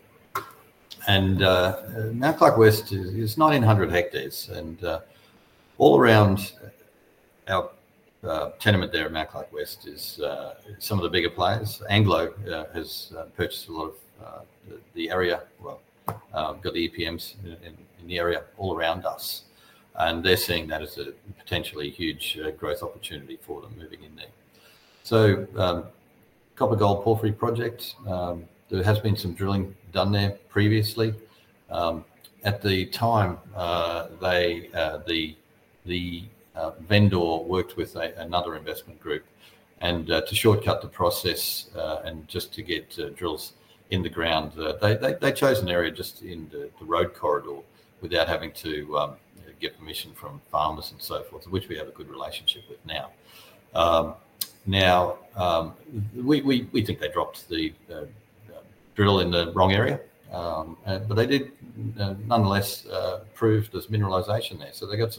Clark West is 1,900 hectares. All around our tenement there at Mount Clark West are some of the bigger players. Anglo American has purchased a lot of the area. We've got the EPMs in the area all around us. They're seeing that as a potentially huge growth opportunity for them moving in there. Copper-gold porphyry project. There has been some drilling done there previously. At the time, the vendor worked with another investment group. To shortcut the process and just to get drills in the ground, they chose an area just in the road corridor without having to get permission from farmers and so forth, which we have a good relationship with now. We think they dropped the drill in the wrong area. They did nonetheless prove there's mineralization there. They got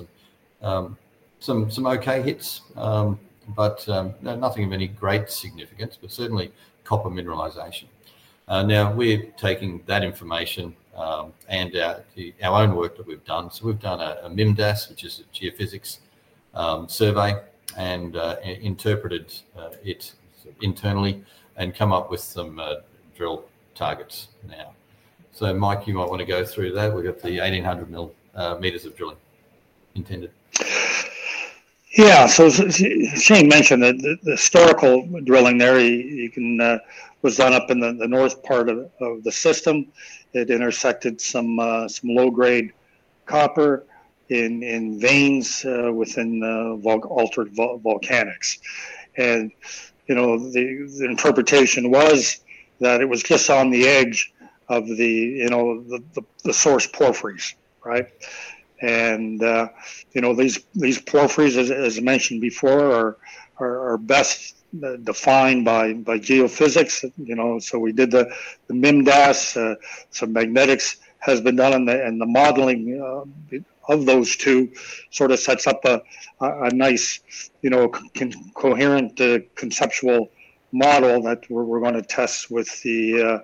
some okay hits, but nothing of any great significance, but certainly copper mineralization. We're taking that information and our own work that we've done. We've done a MIMDAS, which is a geophysics survey, and interpreted it internally and come up with some drill targets now. Mike, you might want to go through that. We've got the 1,800 m of drilling intended. Yeah. Shane mentioned that the historical drilling there was done up in the north part of the system. It intersected some low-grade copper in veins within altered volcanics. The interpretation was that it was just on the edge of the source porphyries, right? These porphyries, as mentioned before, are best defined by geophysics. We did the MIMDAS. Some magnetics has been done. The modeling of those two sort of sets up a nice, coherent conceptual model that we're going to test with the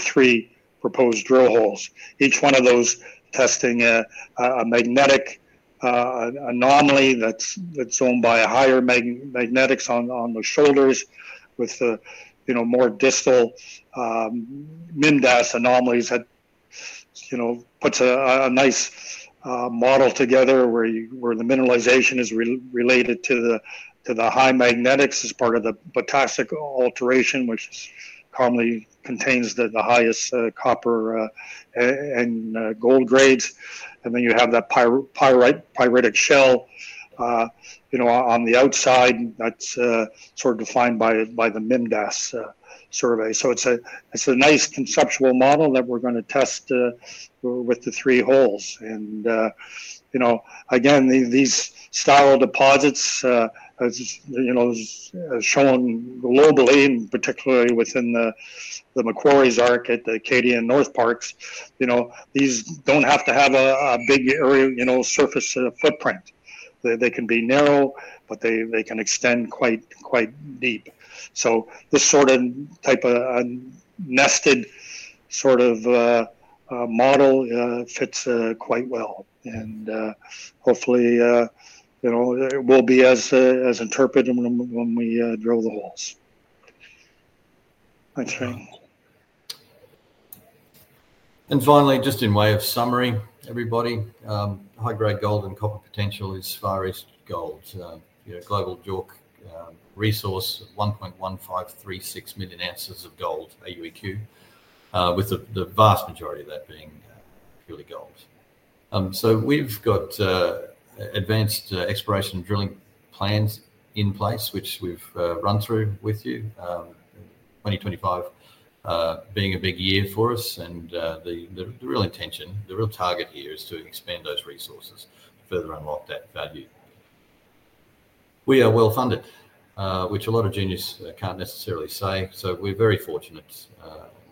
three proposed drill holes. Each one of those testing a magnetic anomaly that's owned by a higher magnetics on the shoulders with more distal MIMDAS anomalies that puts a nice model together where the mineralization is related to the high magnetics as part of the potassic alteration, which commonly contains the highest copper and gold grades. You have that pyritic shell on the outside that is sort of defined by the MIMDAS survey. It is a nice conceptual model that we are going to test with the three holes. These style deposits, as shown globally, and particularly within the Macquarie Arc at the Arcadia North Parks, do not have to have a big area surface footprint. They can be narrow, but they can extend quite deep. This type of nested model fits quite well. Hopefully, it will be as interpreted when we drill the holes. Thanks, Shane. Finally, just in way of summary, everybody, high-grade gold and copper potential is Far East Gold, a global JORC resource of 1.1536 million oz of gold, AuEq, with the vast majority of that being purely gold. We have advanced exploration drilling plans in place, which we have run through with you. 2025 being a big year for us. The real intention, the real target here is to expand those resources, further unlock that value. We are well funded, which a lot of juniors cannot necessarily say. We are very fortunate,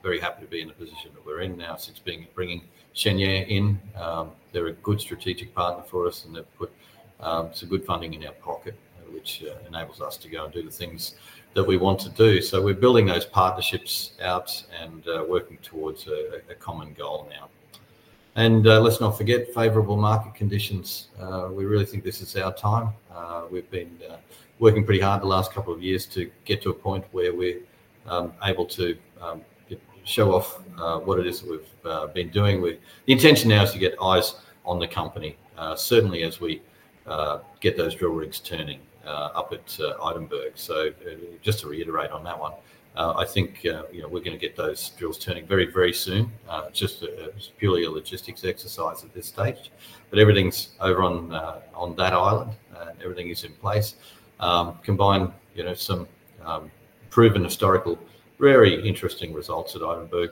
very happy to be in the position that we are in now, since bringing Xingye in. They are a good strategic partner for us. They have put some good funding in our pocket, which enables us to go and do the things that we want to do. We are building those partnerships out and working towards a common goal now. Let's not forget favorable market conditions. We really think this is our time. We've been working pretty hard the last couple of years to get to a point where we're able to show off what it is that we've been doing. The intention now is to get eyes on the company, certainly as we get those drill rigs turning up at Idenburg. Just to reiterate on that one, I think we're going to get those drills turning very, very soon. It's purely a logistics exercise at this stage. Everything's over on that island. Everything is in place. Combine some proven historical, very interesting results at Idenburg.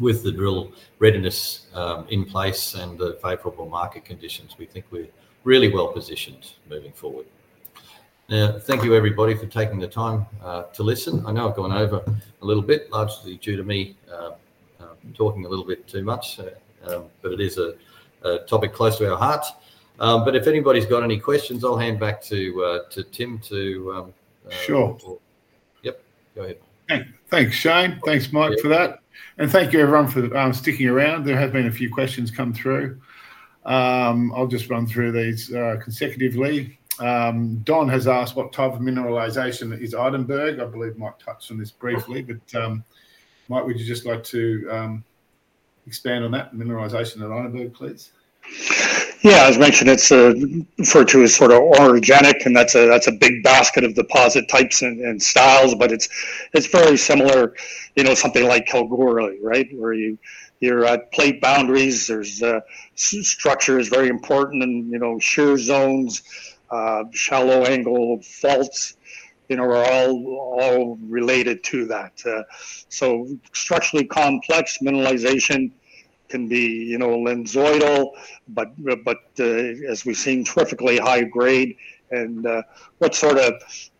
With the drill readiness in place and the favorable market conditions, we think we're really well positioned moving forward. Thank you, everybody, for taking the time to listen. I know I've gone over a little bit, largely due to me talking a little bit too much. It is a topic close to our heart. If anybody's got any questions, I'll hand back to Tim to. Sure. Yep. Go ahead. Thanks, Shane. Thanks, Mike, for that. Thank you, everyone, for sticking around. There have been a few questions come through. I'll just run through these consecutively. Don has asked, "What type of mineralization is Idenburg?" I believe Mike touched on this briefly. Mike, would you just like to expand on that, mineralization at Idenburg, please? Yeah. As mentioned, it's referred to as sort of orogenic. And that's a big basket of deposit types and styles. But it's very similar to something like Kalgoorlie, right, where you're at plate boundaries. There's structure is very important. And shear zones, shallow angle faults are all related to that. So structurally complex mineralization can be lensoidal, but as we've seen, terrifically high grade. And what sort of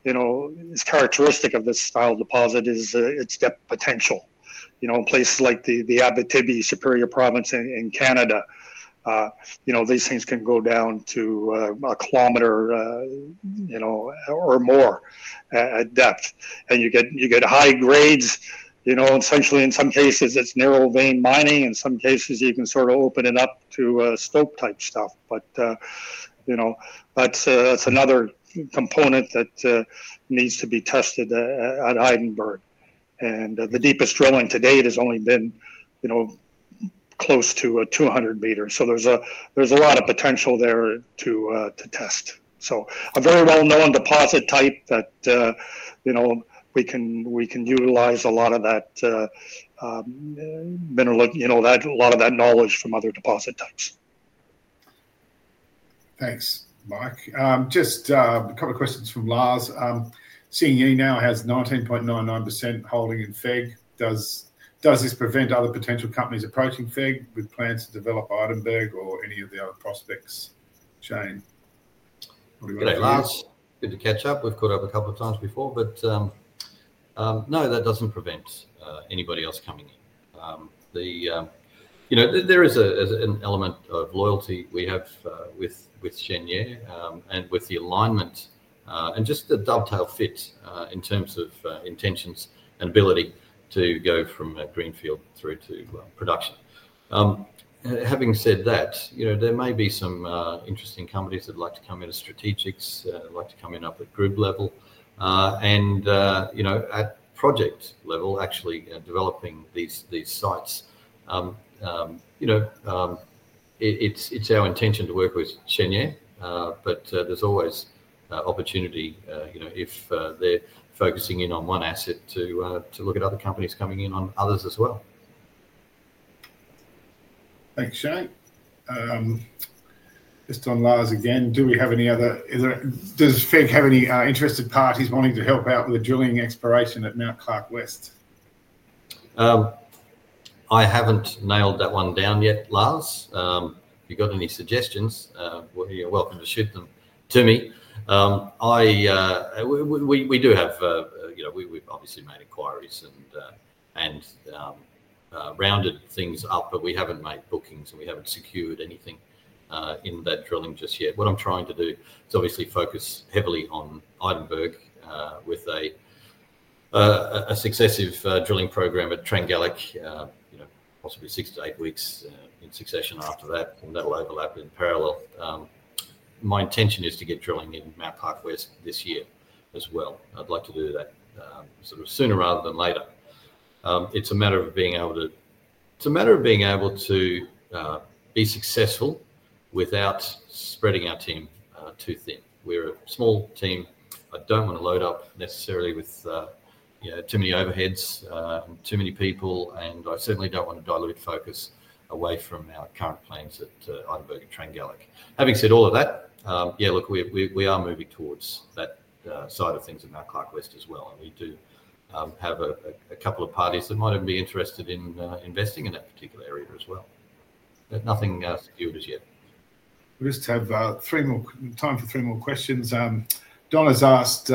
is characteristic of this style deposit is its depth potential. In places like the Abitibi Superior Province in Canada, these things can go down to a km or more at depth. And you get high grades. Essentially, in some cases, it's narrow vein mining. In some cases, you can sort of open it up to slope-type stuff. But that's another component that needs to be tested at Idenburg. And the deepest drilling to date has only been close to 200 m. There's a lot of potential there to test. A very well-known deposit type that we can utilize a lot of that mineral, a lot of that knowledge from other deposit types. Thanks, Mike. Just a couple of questions from Lars. Xingye now has 19.99% holding in FEG. Does this prevent other potential companies approaching FEG with plans to develop Idenburg or any of the other prospects? Shane. Good to catch up. We've caught up a couple of times before. No, that doesn't prevent anybody else coming in. There is an element of loyalty we have with Xingye and with the alignment and just the dovetail fit in terms of intentions and ability to go from a greenfield through to production. Having said that, there may be some interesting companies that'd like to come into strategics, like to come in up at group level. At project level, actually developing these sites, it's our intention to work with Xingye. There's always opportunity if they're focusing in on one asset to look at other companies coming in on others as well. Thanks, Shane. Just on Lars again, do we have any other, does FEG have any interested parties wanting to help out with the drilling and exploration at Mount Clark West? I haven't nailed that one down yet, Lars. If you've got any suggestions, you're welcome to shoot them to me. We do have, we've obviously made inquiries and rounded things up. We haven't made bookings. We haven't secured anything in that drilling just yet. What I'm trying to do is obviously focus heavily on Idenburg with a successive drilling program at Trenggalek, possibly six to eight weeks in succession after that. That'll overlap in parallel. My intention is to get drilling in Mount Clark West this year as well. I'd like to do that sort of sooner rather than later. It's a matter of being able to be successful without spreading our team too thin. We're a small team. I don't want to load up necessarily with too many overheads and too many people. I certainly do not want to dilute focus away from our current plans at Idenburg and Trenggalek. Having said all of that, yeah, look, we are moving towards that side of things at Mount Clark West as well. We do have a couple of parties that might be interested in investing in that particular area as well. Nothing secured as yet. We just have time for three more questions. Don has asked,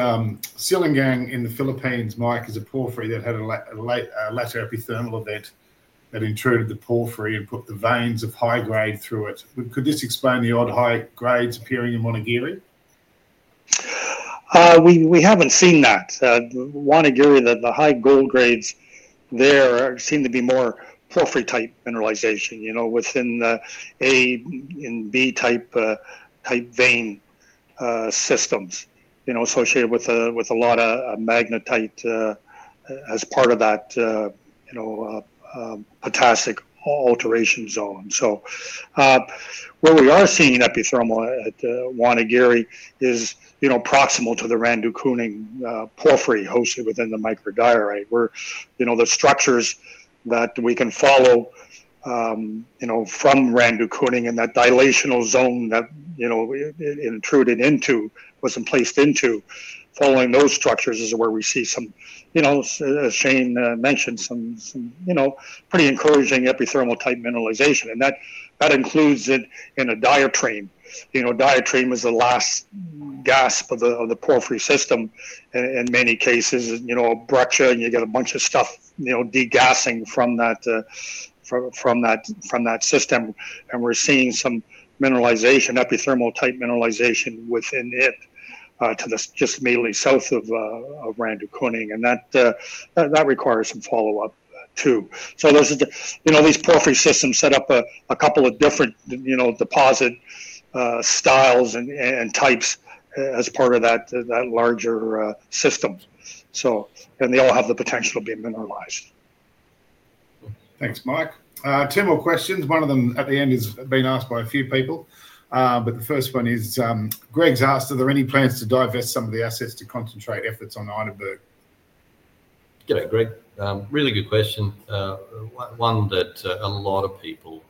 "Sealing gang in the Philippines, Mike, is a porphyry that had a latter epithermal event that intruded the porphyry and put the veins of high grade through it. Could this explain the odd high grades appearing in Wonogiri? We haven't seen that. Wonogiri, the high gold grades there seem to be more porphyry-type mineralization within A and B-type vein systems associated with a lot of magnetite as part of that potassic alteration zone. Where we are seeing epithermal at Wonogiri is proximal to the Randu Kuning porphyry hosted within the micro diorite, where the structures that we can follow from Randu Kuning and that dilational zone that it intruded into was emplaced into. Following those structures is where we see some, as Shane mentioned, some pretty encouraging epithermal-type mineralization. That includes it in a diatreme. Diatreme is the last gasp of the porphyry system in many cases. You get a bunch of stuff degassing from that system. We're seeing some mineralization, epithermal-type mineralization within it to just immediately south of Randu Kuning. That requires some follow-up too. These porphyry systems set up a couple of different deposit styles and types as part of that larger system. They all have the potential to be mineralized. Thanks, Mike. Two more questions. One of them at the end has been asked by a few people. The first one is Greg's asked, "Are there any plans to divest some of the assets to concentrate efforts on Idenburg? G'day, Greg. Really good question. One that a lot of people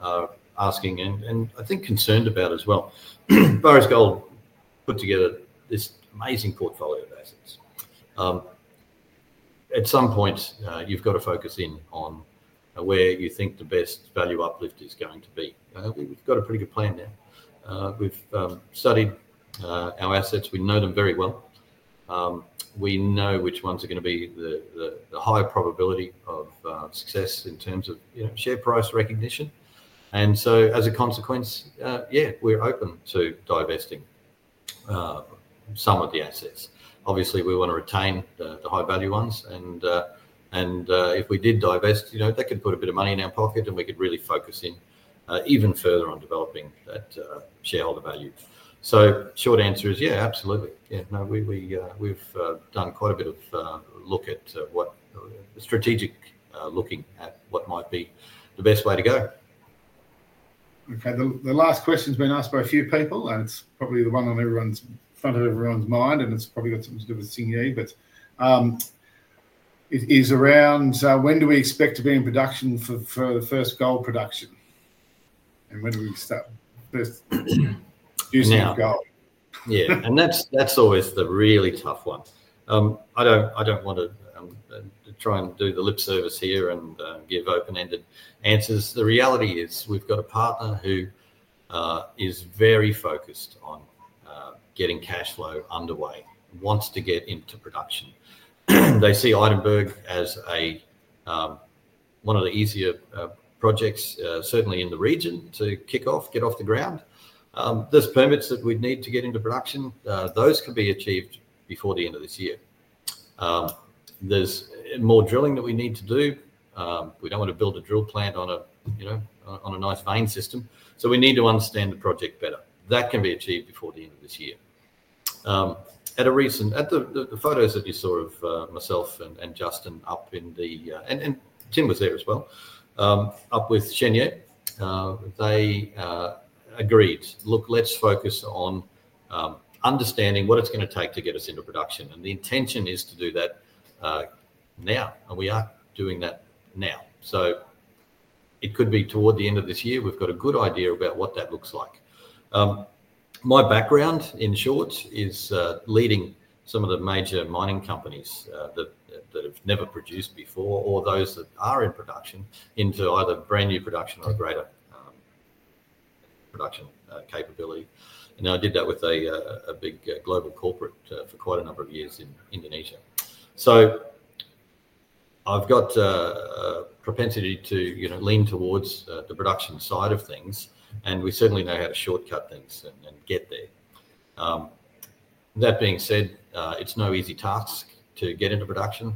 are asking and I think concerned about as well. Far East Gold put together this amazing portfolio of assets. At some point, you've got to focus in on where you think the best value uplift is going to be. We've got a pretty good plan now. We've studied our assets. We know them very well. We know which ones are going to be the higher probability of success in terms of share price recognition. As a consequence, yeah, we're open to divesting some of the assets. Obviously, we want to retain the high-value ones. If we did divest, that could put a bit of money in our pocket. We could really focus in even further on developing that shareholder value. Short answer is, yeah, absolutely. Yeah. No, we've done quite a bit of looking at strategic, looking at what might be the best way to go. Okay. The last question's been asked by a few people. It's probably the one in front of everyone's mind. It's probably got something to do with Xingye. It is around, "When do we expect to be in production for the first gold production? When do we start producing gold? Yeah. That's always the really tough one. I don't want to try and do the lip service here and give open-ended answers. The reality is we've got a partner who is very focused on getting cash flow underway, wants to get into production. They see Idenburg as one of the easier projects, certainly in the region, to kick off, get off the ground. There are permits that we'd need to get into production. Those could be achieved before the end of this year. There's more drilling that we need to do. We don't want to build a drill plant on a nice vein system. We need to understand the project better. That can be achieved before the end of this year. At the photos that you saw of myself and Justin up in the, and Tim was there as well, up with Xingye, they agreed, "Look, let's focus on understanding what it's going to take to get us into production. The intention is to do that now. We are doing that now." It could be toward the end of this year. We've got a good idea about what that looks like. My background, in short, is leading some of the major mining companies that have never produced before or those that are in production into either brand new production or a greater production capability. I did that with a big global corporate for quite a number of years in Indonesia. I've got a propensity to lean towards the production side of things. We certainly know how to shortcut things and get there. That being said, it's no easy task to get into production.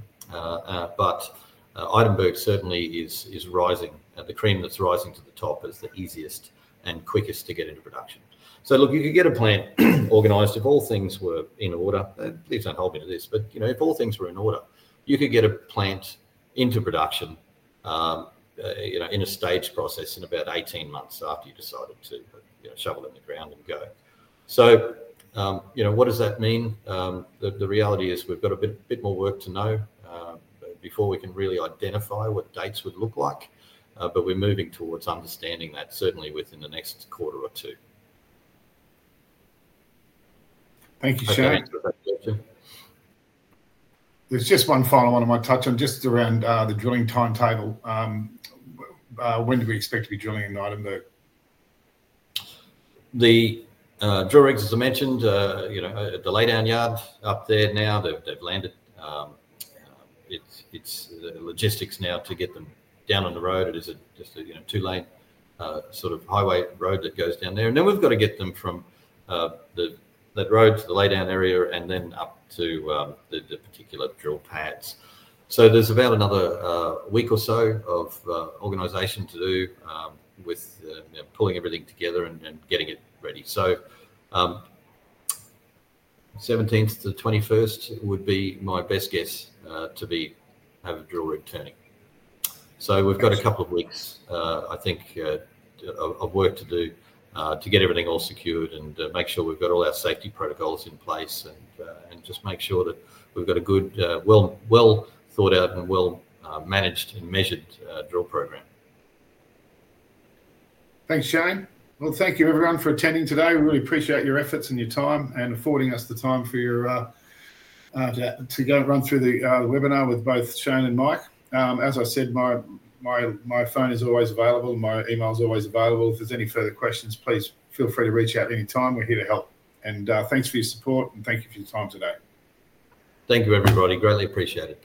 Eidenburg certainly is rising. The cream that's rising to the top is the easiest and quickest to get into production. Look, you could get a plant organized if all things were in order. Please don't hold me to this. If all things were in order, you could get a plant into production in a staged process in about 18 months after you decided to shovel it in the ground and go. What does that mean? The reality is we've got a bit more work to know before we can really identify what dates would look like. We're moving towards understanding that certainly within the next quarter or two. Thank you, Shane. Thanks for that question. There's just one final one I might touch on just around the drilling timetable. When do we expect to be drilling in Idenburg? The drill rigs, as I mentioned, the laydown yard up there now, they've landed. It's logistics now to get them down on the road. It is just a two-lane sort of highway road that goes down there. We have to get them from that road to the laydown area and then up to the particular drill pads. There is about another week or so of organization to do with pulling everything together and getting it ready. The 17th to 21st would be my best guess to have a drill rig turning. We have a couple of weeks, I think, of work to do to get everything all secured and make sure we have all our safety protocols in place and just make sure that we have a good, well-thought-out and well-managed and measured drill program. Thanks, Shane. Thank you, everyone, for attending today. We really appreciate your efforts and your time and affording us the time for your to go run through the webinar with both Shane and Mike. As I said, my phone is always available. My email is always available. If there's any further questions, please feel free to reach out at any time. We're here to help. Thanks for your support. Thank you for your time today. Thank you, everybody. Greatly appreciate it.